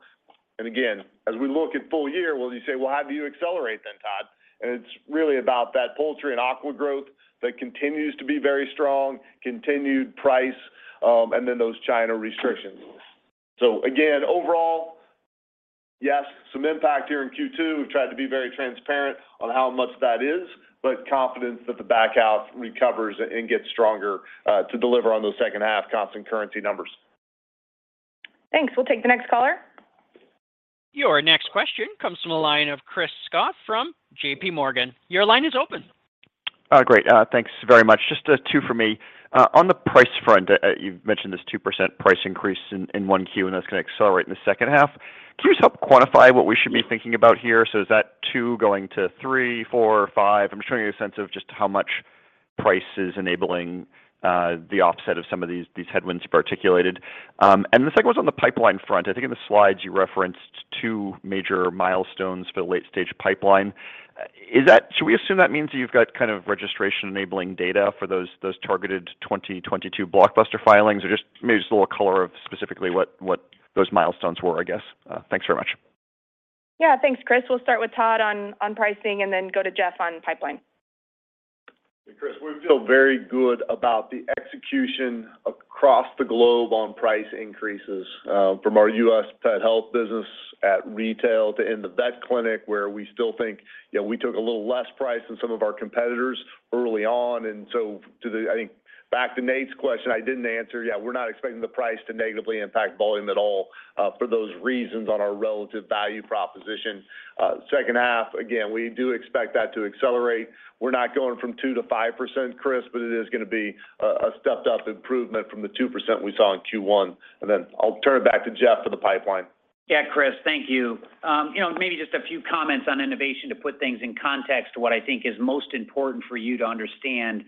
Again, as we look at full year, well, you say, "Well, how do you accelerate then, Todd?" It's really about that poultry and aqua growth that continues to be very strong, continued price, and then those China restrictions. Again, overall, yes, some impact here in Q2. We've tried to be very transparent on how much that is, but confidence that the back half recovers and gets stronger to deliver on those second half constant currency numbers. Thanks. We'll take the next caller. Your next question comes from the line of Chris Schott from JPMorgan. Your line is open. Great. Thanks very much. Just two for me. On the price front, you've mentioned this 2% price increase in 1Q, and that's gonna accelerate in the second half. Can you just help quantify what we should be thinking about here? So is that 2% going to 3%, 4%, 5%? I'm just trying to get a sense of just how much price is enabling the offset of some of these headwinds you articulated. The second one's on the pipeline front. I think in the slides you referenced two major milestones for the late-stage pipeline. Should we assume that means that you've got kind of registration-enabling data for those targeted 2022 blockbuster filings? Or just maybe a little color on specifically what those milestones were, I guess. Thanks very much. Yeah. Thanks, Chris. We'll start with Todd on pricing and then go to Jeff on pipeline. Chris, we feel very good about the execution across the globe on price increases from our U.S. Pet Health business at retail to in the vet clinic, where we still think, you know, we took a little less price than some of our competitors early on. I think back to Nate's question I didn't answer, yeah, we're not expecting the price to negatively impact volume at all for those reasons on our relative value proposition. Second half, again, we do expect that to accelerate. We're not going from 2%-5%, Chris, but it is gonna be a stepped-up improvement from the 2% we saw in Q1. Then I'll turn it back to Jeff for the pipeline. Yeah, Chris. Thank you. You know, maybe just a few comments on innovation to put things in context to what I think is most important for you to understand,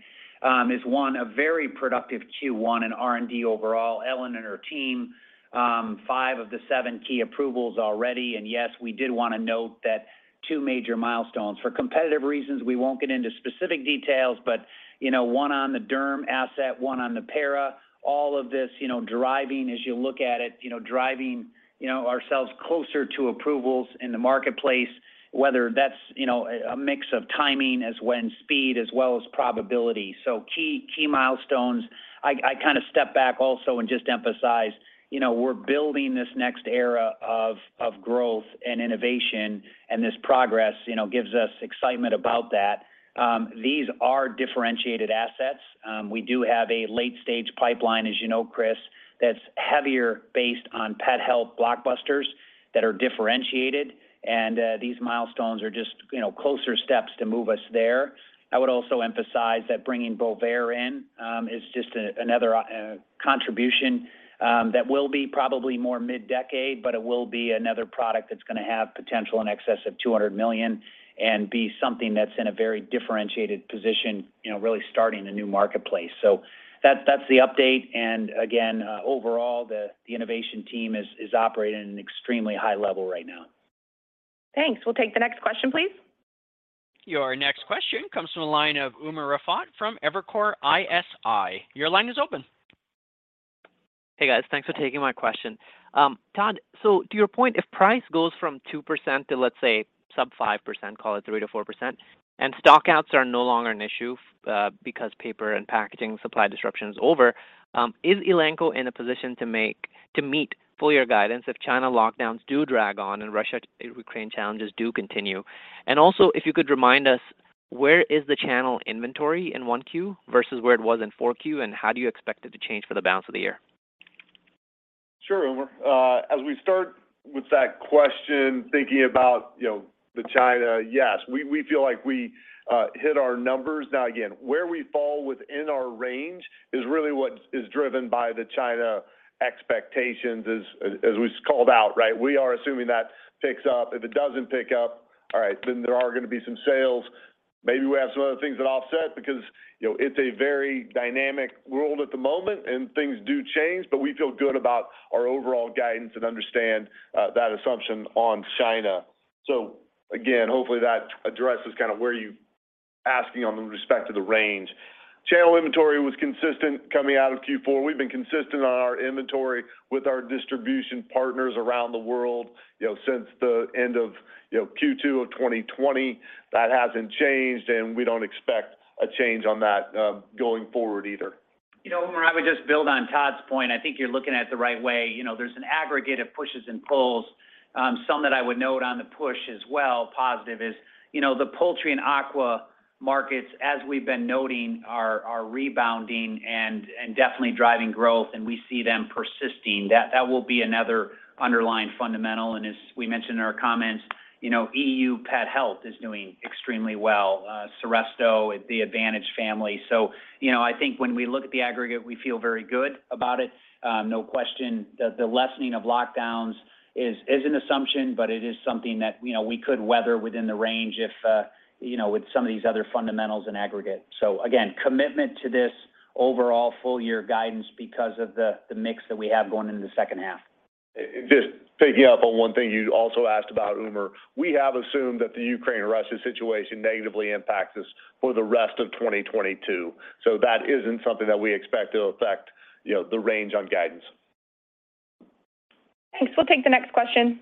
is one, a very productive Q1 in R&D overall. Ellen and her team, five of the seven key approvals already. Yes, we did wanna note that two major milestones. For competitive reasons, we won't get into specific details, but, you know, one on the derm asset, one on the para. All of this, you know, driving as you look at it, driving ourselves closer to approvals in the marketplace, whether that's, you know, a mix of timing as well as speed as well as probability. Key milestones. I kind of step back also and just emphasize, you know, we're building this next era of growth and innovation, and this progress, you know, gives us excitement about that. These are differentiated assets. We do have a late-stage pipeline, as you know, Chris, that's heavier based on pet health blockbusters that are differentiated. These milestones are just, you know, closer steps to move us there. I would also emphasize that bringing Bovaer in is just another contribution that will be probably more mid-decade, but it will be another product that's gonna have potential in excess of $200 million and be something that's in a very differentiated position, you know, really starting a new marketplace. That's the update. Overall, the innovation team is operating at an extremely high level right now. Thanks. We'll take the next question, please. Your next question comes from the line of Umer Raffat from Evercore ISI. Your line is open. Hey guys, thanks for taking my question. Todd, to your point, if price goes from 2% to, let's say, sub 5%, call it 3%-4%, and stockouts are no longer an issue because paper and packaging supply disruption is over, is Elanco in a position to meet full year guidance if China lockdowns do drag on and Russia-Ukraine challenges do continue? Also, if you could remind us, where is the channel inventory in 1Q versus where it was in 4Q, and how do you expect it to change for the balance of the year? Sure, Umer. As we start with that question, thinking about, you know, the China, yes, we feel like we hit our numbers. Now again, where we fall within our range is really what is driven by the China expectations as we called out, right? We are assuming that picks up. If it doesn't pick up, all right, then there are gonna be some sales. Maybe we have some other things that offset because, you know, it's a very dynamic world at the moment and things do change, but we feel good about our overall guidance and understand that assumption on China. So again, hopefully that addresses kind of where you're asking with respect to the range. Channel inventory was consistent coming out of Q4. We've been consistent on our inventory with our distribution partners around the world, you know, since the end of, you know, Q2 of 2020. That hasn't changed, and we don't expect a change on that, going forward either. You know, Umer, I would just build on Todd's point. I think you're looking at it the right way. You know, there's an aggregate of pushes and pulls. Some that I would note on the push as well, positive is, you know, the poultry and aqua markets, as we've been noting, are rebounding and definitely driving growth, and we see them persisting. That will be another underlying fundamental. As we mentioned in our comments, you know, EU Pet Health is doing extremely well. Seresto, the Advantage family. So, you know, I think when we look at the aggregate, we feel very good about it. No question, the lessening of lockdowns is an assumption, but it is something that, you know, we could weather within the range if, you know, with some of these other fundamentals and aggregate. Again, commitment to this overall full-year guidance because of the mix that we have going into the second half. Just picking up on one thing you also asked about, Umer. We have assumed that the Ukraine-Russia situation negatively impacts us for the rest of 2022. That isn't something that we expect to affect, you know, the range on guidance. Thanks. We'll take the next question.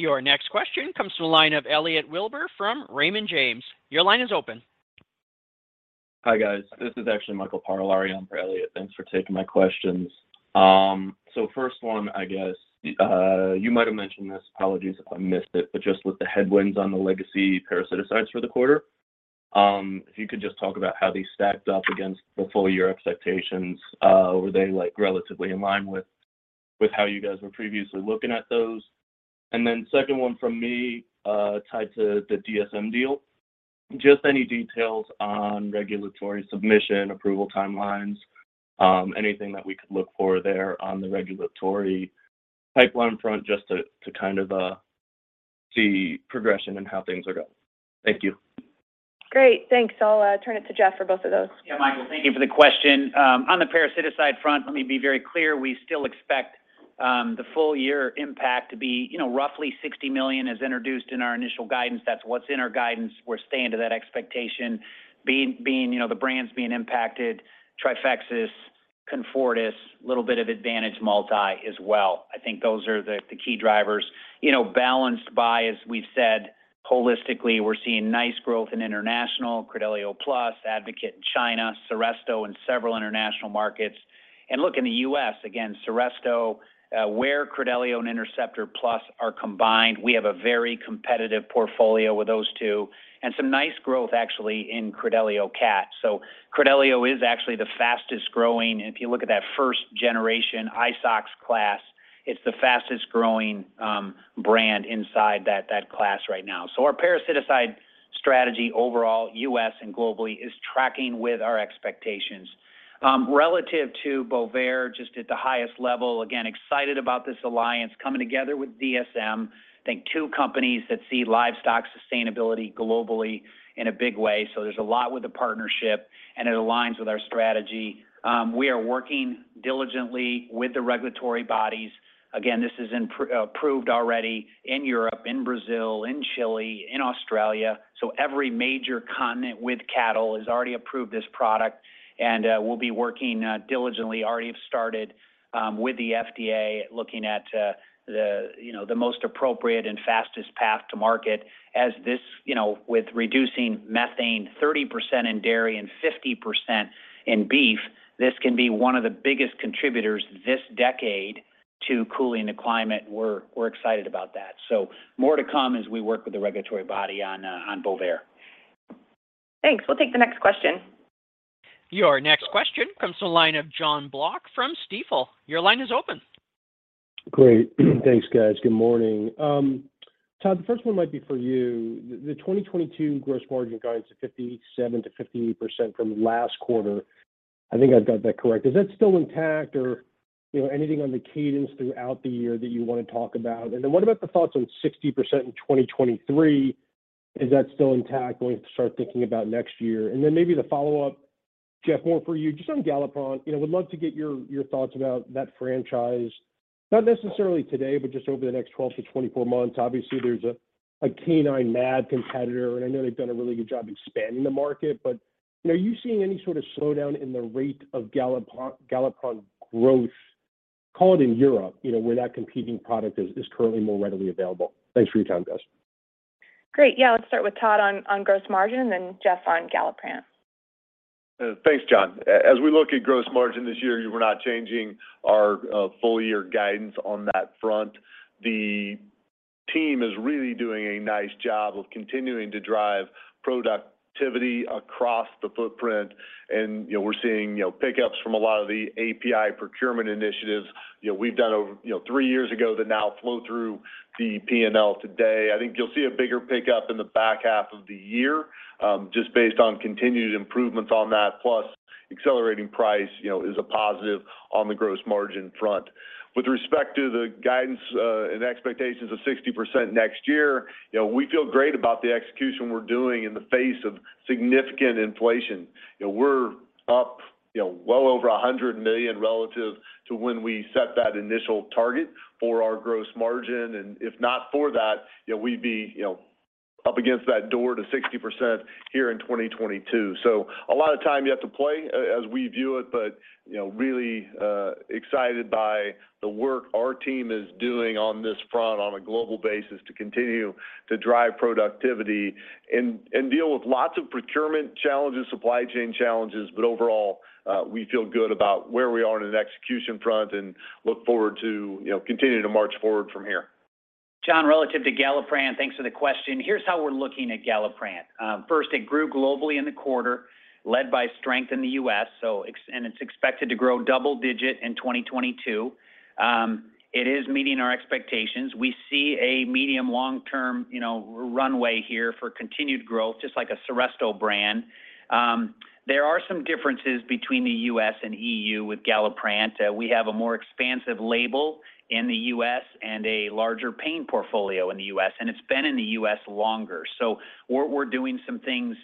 Your next question comes from the line of Elliot Wilbur from Raymond James. Your line is open. Hi guys. This is actually Michael Parolari on for Elliot. Thanks for taking my questions. So first one, I guess, you might have mentioned this, apologies if I missed it, but just with the headwinds on the legacy parasiticides for the quarter, if you could just talk about how these stacked up against the full year expectations. Were they like relatively in line with with how you guys were previously looking at those? Then second one from me, tied to the DSM deal. Just any details on regulatory submission, approval timelines, anything that we could look for there on the regulatory pipeline front just to to kind of see progression and how things are going. Thank you. Great. Thanks. I'll turn it to Jeff for both of those. Yeah, Michael, thank you for the question. On the parasiticides front, let me be very clear, we still expect the full year impact to be, you know, roughly $60 million as introduced in our initial guidance. That's what's in our guidance. We're staying to that expectation. Being you know, the brands being impacted, Trifexis, Comfortis, little bit of Advantage Multi as well. I think those are the key drivers. You know, balanced by, as we've said, holistically, we're seeing nice growth in international, Credelio Plus, Advocate in China, Seresto in several international markets. Look in the U.S., again, Seresto, where Credelio and Interceptor Plus are combined, we have a very competitive portfolio with those two. Some nice growth actually in Credelio CAT. Credelio is actually the fastest-growing, and if you look at that first generation isox class, it's the fastest-growing, brand inside that class right now. Our parasiticides strategy overall, U.S. and globally, is tracking with our expectations. Relative to Bovaer, just at the highest level, again, excited about this alliance coming together with DSM. I think two companies that see livestock sustainability globally in a big way. There's a lot with the partnership, and it aligns with our strategy. We are working diligently with the regulatory bodies. Again, this is approved already in Europe, in Brazil, in Chile, in Australia. Every major continent with cattle has already approved this product. We'll be working diligently, already have started, with the FDA, looking at the most appropriate and fastest path to market. As this, you know, with reducing methane 30% in dairy and 50% in beef, this can be one of the biggest contributors this decade to cooling the climate. We're excited about that. More to come as we work with the regulatory body on Bovaer. Thanks. We'll take the next question. Your next question comes from the line of Jon Block from Stifel. Your line is open. Great. Thanks, guys. Good morning. Todd, the first one might be for you. The 2022 gross margin guidance of 57%-58% from last quarter, I think I've got that correct. Is that still intact or, you know, anything on the cadence throughout the year that you wanna talk about? And then what about the thoughts on 60% in 2023? Is that still intact going to start thinking about next year? And then maybe the follow-up, Jeff, more for you, just on Galliprant. You know, would love to get your thoughts about that franchise. Not necessarily today, but just over the next 12 months-24 months. Obviously, there's a canine mAb competitor, and I know they've done a really good job expanding the market. You know, are you seeing any sort of slowdown in the rate of Galliprant growth, call it in Europe, you know, where that competing product is currently more readily available? Thanks for your time, guys. Great. Yeah. Let's start with Todd on gross margin, then Jeff on Galliprant. Thanks, Jon. As we look at gross margin this year, we're not changing our full year guidance on that front. The team is really doing a nice job of continuing to drive productivity across the footprint and, you know, we're seeing, you know, pickups from a lot of the API procurement initiatives, you know, we've done over, you know, three years ago that now flow through the P&L today. I think you'll see a bigger pickup in the back half of the year, just based on continued improvements on that plus accelerating price, you know, is a positive on the gross margin front. With respect to the guidance and expectations of 60% next year, you know, we feel great about the execution we're doing in the face of significant inflation. You know, we're up, you know, well over $100 million relative to when we set that initial target for our gross margin. If not for that, you know, we'd be, you know, up against that door to 60% here in 2022. A lot of time yet to play, as we view it, but, you know, really excited by the work our team is doing on this front on a global basis to continue to drive productivity and deal with lots of procurement challenges, supply chain challenges. Overall, we feel good about where we are on the execution front and look forward to, you know, continuing to march forward from here. Jon, relative to Galliprant, thanks for the question. Here's how we're looking at Galliprant. First, it grew globally in the quarter, led by strength in the U.S. It's expected to grow double-digit in 2022. It is meeting our expectations. We see a medium- to long-term, you know, runway here for continued growth, just like the Seresto brand. There are some differences between the U.S. and EU with Galliprant. We have a more expansive label in the U.S. and a larger pain portfolio in the U.S., and it's been in the U.S. longer. We're doing some things,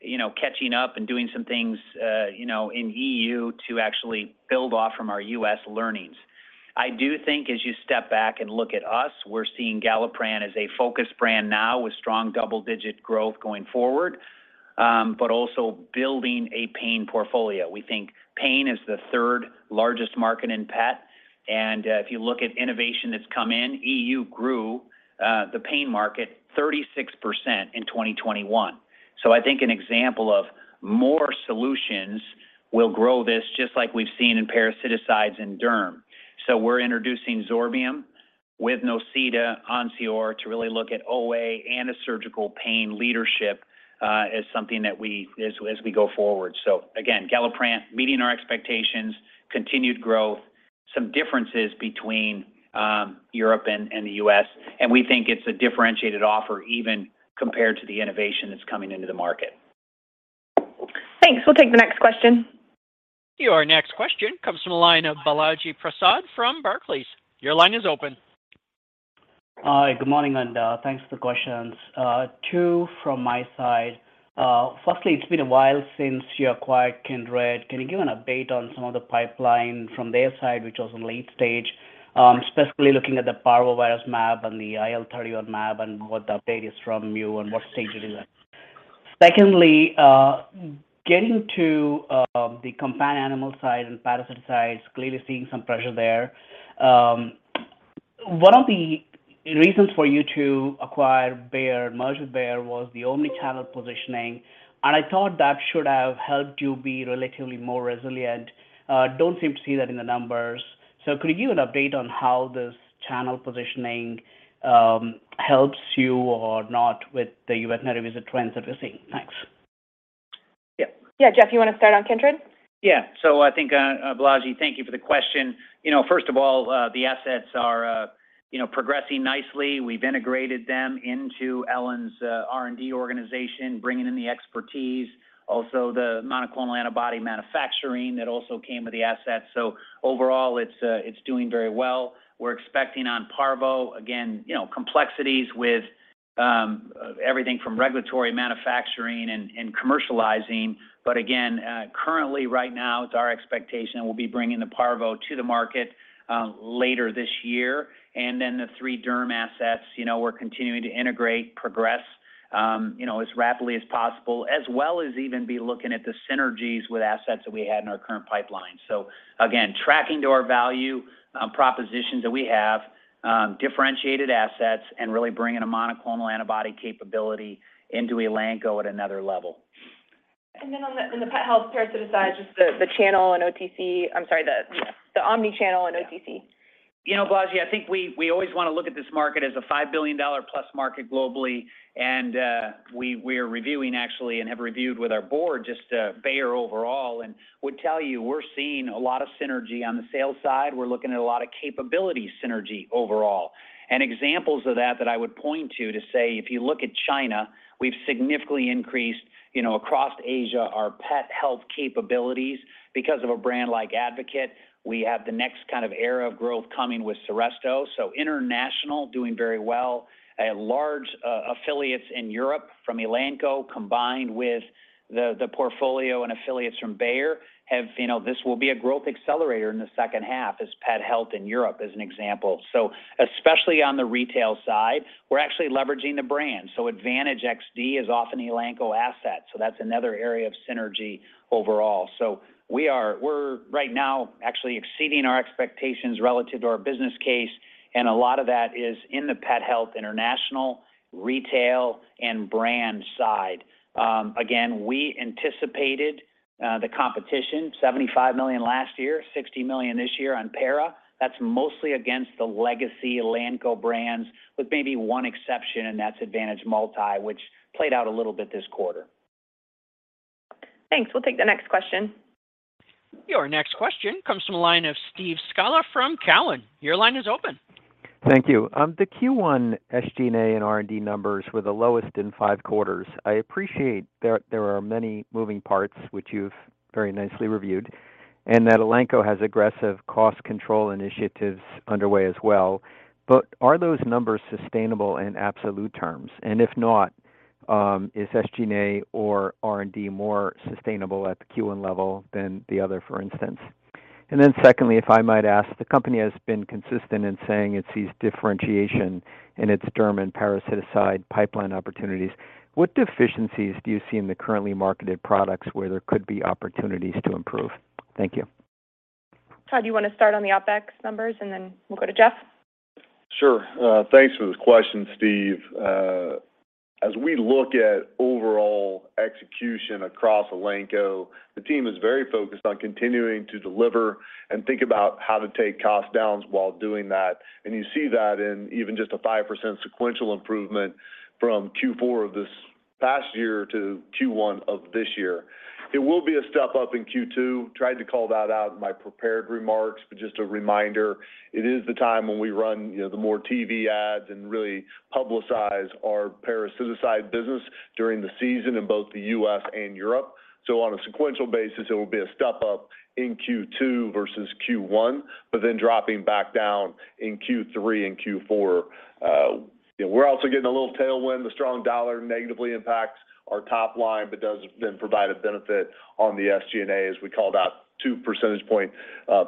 you know, catching up and doing some things, you know, in EU to actually build off from our U.S. learnings. I do think as you step back and look at us, we're seeing Galliprant as a focus brand now with strong double-digit growth going forward, but also building a pain portfolio. We think pain is the third largest market in pet, and if you look at innovation that's come in, EU grew the pain market 36% in 2021. I think an example of more solutions will grow this just like we've seen in parasiticides and derm. We're introducing Zorbium with Nocita, ONSIOR to really look at OA and a surgical pain leadership as something that we, as we go forward. Again, Galliprant meeting our expectations, continued growth, some differences between Europe and the U.S., and we think it's a differentiated offer even compared to the innovation that's coming into the market. Thanks. We'll take the next question. Your next question comes from the line of Balaji Prasad from Barclays. Your line is open. Hi, good morning, and thanks for the questions. Two from my side. Firstly, it's been a while since you acquired Kindred. Can you give an update on some of the pipeline from their side, which was in late stage, specifically looking at the parvovirus mAb and the IL-31 mAb and what the update is from you and what stage it is? Secondly, getting to the companion animal side and parasiticides, clearly seeing some pressure there. One of the reasons for you to acquire Bayer, merge with Bayer was the omni-channel positioning, and I thought that should have helped you be relatively more resilient. Don't seem to see that in the numbers. Could you give an update on how this channel positioning helps you or not with the veterinary visit trends that we're seeing? Thanks. Yeah. Yeah. Jeff, you wanna start on Kindred? Yeah. I think, Balaji, thank you for the question. You know, first of all, the assets are, you know, progressing nicely. We've integrated them into Ellen's R&D organization, bringing in the expertise, also the monoclonal antibody manufacturing that also came with the assets. Overall, it's doing very well. We're expecting on parvo, again, you know, complexities with everything from regulatory manufacturing and commercializing. Again, currently right now, it's our expectation we'll be bringing the parvo to the market later this year. Then the three derm assets, you know, we're continuing to integrate, progress, you know, as rapidly as possible, as well as even be looking at the synergies with assets that we had in our current pipeline. Again, tracking to our value propositions that we have, differentiated assets and really bringing a monoclonal antibody capability into Elanco at another level. In the Pet Health parasiticides, just the omni-channel and OTC. You know, Balaji, I think we always wanna look at this market as a $5 billion+ market globally, and we are reviewing actually and have reviewed with our board just Bayer overall, and would tell you we're seeing a lot of synergy on the sales side. We're looking at a lot of capability synergy overall. Examples of that I would point to say, if you look at China, we've significantly increased, you know, across Asia, our pet health capabilities because of a brand like Advocate. We have the next kind of era of growth coming with Seresto. International doing very well. A large affiliates in Europe from Elanco, combined with the portfolio and affiliates from Bayer, have, you know, this will be a growth accelerator in the second half as Pet Health in Europe as an example. Especially on the retail side, we're actually leveraging the brand. Advantage XD is an Elanco asset, so that's another area of synergy overall. We're right now actually exceeding our expectations relative to our business case. A lot of that is in the Pet Health international retail and brand side. Again, we anticipated the competition. $75 million last year, $60 million this year on para. That's mostly against the legacy Elanco brands with maybe one exception, and that's Advantage Multi, which played out a little bit this quarter. Thanks. We'll take the next question. Your next question comes from the line of Steve Scala from Cowen. Your line is open. Thank you. The Q1 SG&A and R&D numbers were the lowest in five quarters. I appreciate there are many moving parts, which you've very nicely reviewed, and that Elanco has aggressive cost control initiatives underway as well. Are those numbers sustainable in absolute terms? If not, is SG&A or R&D more sustainable at the Q1 level than the other, for instance? Then secondly, if I might ask, the company has been consistent in saying it sees differentiation in its derm and parasiticide pipeline opportunities. What deficiencies do you see in the currently marketed products where there could be opportunities to improve? Thank you. Todd, do you wanna start on the OpEx numbers, and then we'll go to Jeff? Sure. Thanks for the question, Steve. As we look at overall execution across Elanco, the team is very focused on continuing to deliver and think about how to take cost downs while doing that. You see that in even just a 5% sequential improvement from Q4 of this past year to Q1 of this year. It will be a step up in Q2. Tried to call that out in my prepared remarks. Just a reminder, it is the time when we run, you know, the more TV ads and really publicize our parasiticide business during the season in both the U.S. and Europe. On a sequential basis, it will be a step up in Q2 versus Q1, but then dropping back down in Q3 and Q4. You know, we're also getting a little tailwind. The strong dollar negatively impacts our top line, but does then provide a benefit on the SG&A, as we called out 2 percentage points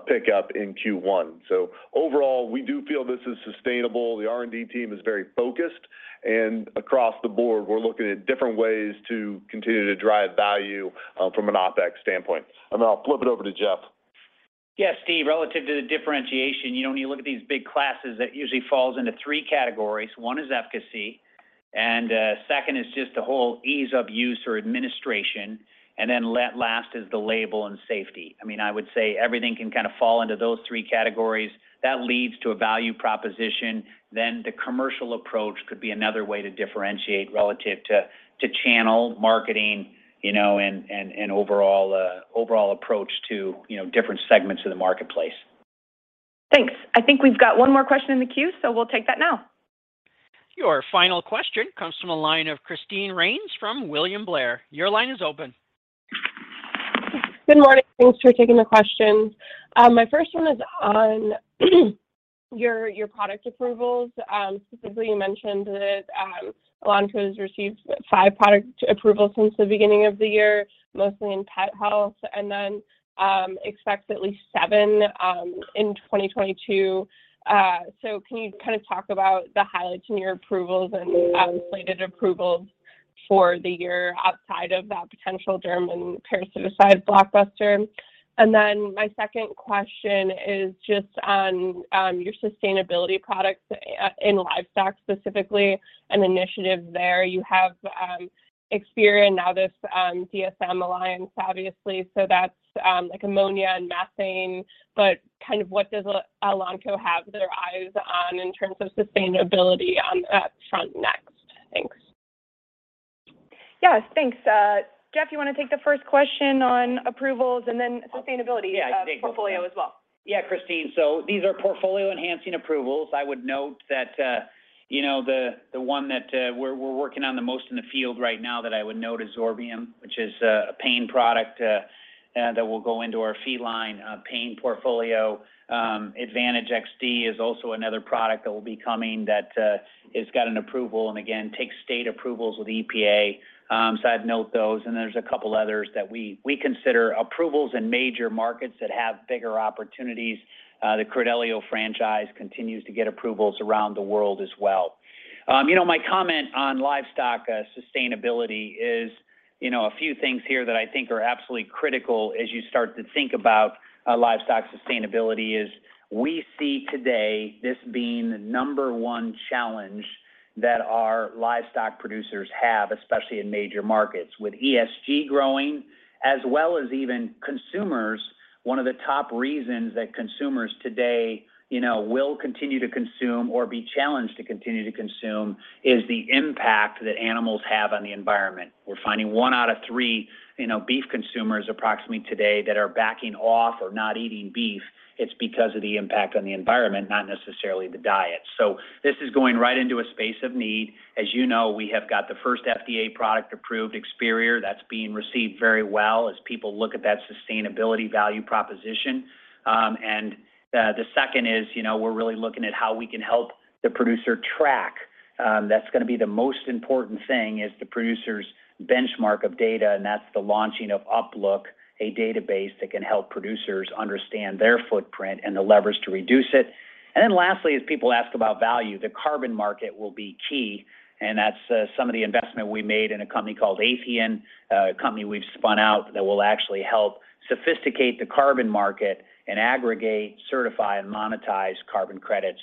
pickup in Q1. Overall, we do feel this is sustainable. The R&D team is very focused, and across the board, we're looking at different ways to continue to drive value from an OpEx standpoint. Then I'll flip it over to Jeff. Yeah, Steve, relative to the differentiation, you know, when you look at these big classes, that usually falls into three categories. One is efficacy, and second is just the whole ease of use or administration, and then last is the label and safety. I mean, I would say everything can kind of fall into those three categories. That leads to a value proposition. Then the commercial approach could be another way to differentiate relative to channel, marketing, you know, and overall approach to different segments of the marketplace. Thanks. I think we've got one more question in the queue, so we'll take that now. Your final question comes from the line of Christine Rains from William Blair. Your line is open. Good morning. Thanks for taking the questions. My first one is on your product approvals. Specifically, you mentioned that Elanco's received five product approvals since the beginning of the year, mostly in Pet Health, and then expects at least seven in 2022. So can you kind of talk about the highlights in your approvals and slated approvals for the year outside of that potential derm and parasiticide blockbuster? And then my second question is just on your sustainability products in livestock specifically and initiatives there. You have Experior, now this DSM alliance, obviously. So that's like ammonia and methane. But kind of what does Elanco have their eyes on in terms of sustainability on that front next? Thanks. Yes, thanks. Jeff, you wanna take the first question on approvals and then sustainability. Yeah. portfolio as well? Yeah, Christine. These are portfolio-enhancing approvals. I would note that the one that we're working on the most in the field right now that I would note is Zorbium, which is a pain product that will go into our feline pain portfolio. Advantage XD is also another product that will be coming that has got an approval and, again, takes state approvals with EPA. I'd note those, and there's a couple others that we consider approvals in major markets that have bigger opportunities. The Credelio franchise continues to get approvals around the world as well. You know, my comment on livestock sustainability is, you know, a few things here that I think are absolutely critical as you start to think about, livestock sustainability is we see today this being the number one challenge that our livestock producers have, especially in major markets. With ESG growing as well as even consumers, one of the top reasons that consumers today, you know, will continue to consume or be challenged to continue to consume is the impact that animals have on the environment. We're finding one out of three, you know, beef consumers approximately today that are backing off or not eating beef, it's because of the impact on the environment, not necessarily the diet. This is going right into a space of need. As you know, we have got the first FDA product-approved Experior. That's being received very well as people look at that sustainability value proposition. The second is, you know, we're really looking at how we can help the producer track. That's gonna be the most important thing is the producer's benchmark of data, and that's the launching of UpLook, a database that can help producers understand their footprint and the levers to reduce it. Then lastly, as people ask about value, the carbon market will be key, and that's some of the investment we made in a company called Athian, a company we've spun out that will actually help sophisticate the carbon market and aggregate, certify, and monetize carbon credits.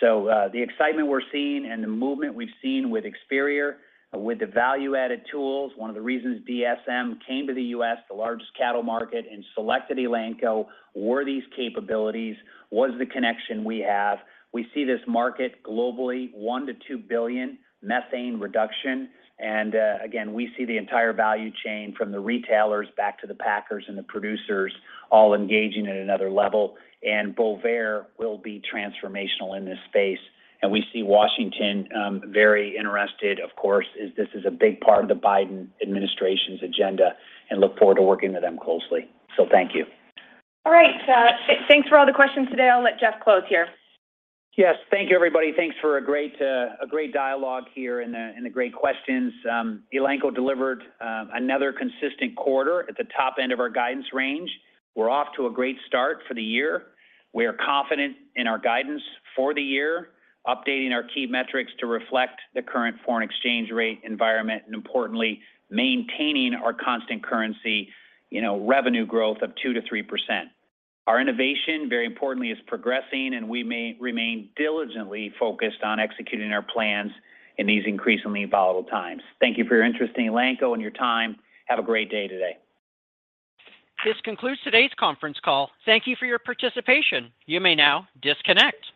The excitement we're seeing and the movement we've seen with Experior, with the value-added tools, one of the reasons DSM came to the U.S., the largest cattle market, and selected Elanco were these capabilities, was the connection we have. We see this market globally, 1 billion-2 billion methane reduction. Again, we see the entire value chain from the retailers back to the packers and the producers all engaging at another level. Bovaer will be transformational in this space. We see Washington very interested, of course, as this is a big part of the Biden administration's agenda and look forward to working with them closely. Thank you. All right. Thanks for all the questions today. I'll let Jeff close here. Yes. Thank you, everybody. Thanks for a great dialogue here and the great questions. Elanco delivered another consistent quarter at the top end of our guidance range. We're off to a great start for the year. We are confident in our guidance for the year, updating our key metrics to reflect the current foreign exchange rate environment and, importantly, maintaining our constant currency, you know, revenue growth of 2%-3%. Our innovation, very importantly, is progressing, and we may remain diligently focused on executing our plans in these increasingly volatile times. Thank you for your interest in Elanco and your time. Have a great day today. This concludes today's conference call. Thank you for your participation. You may now disconnect.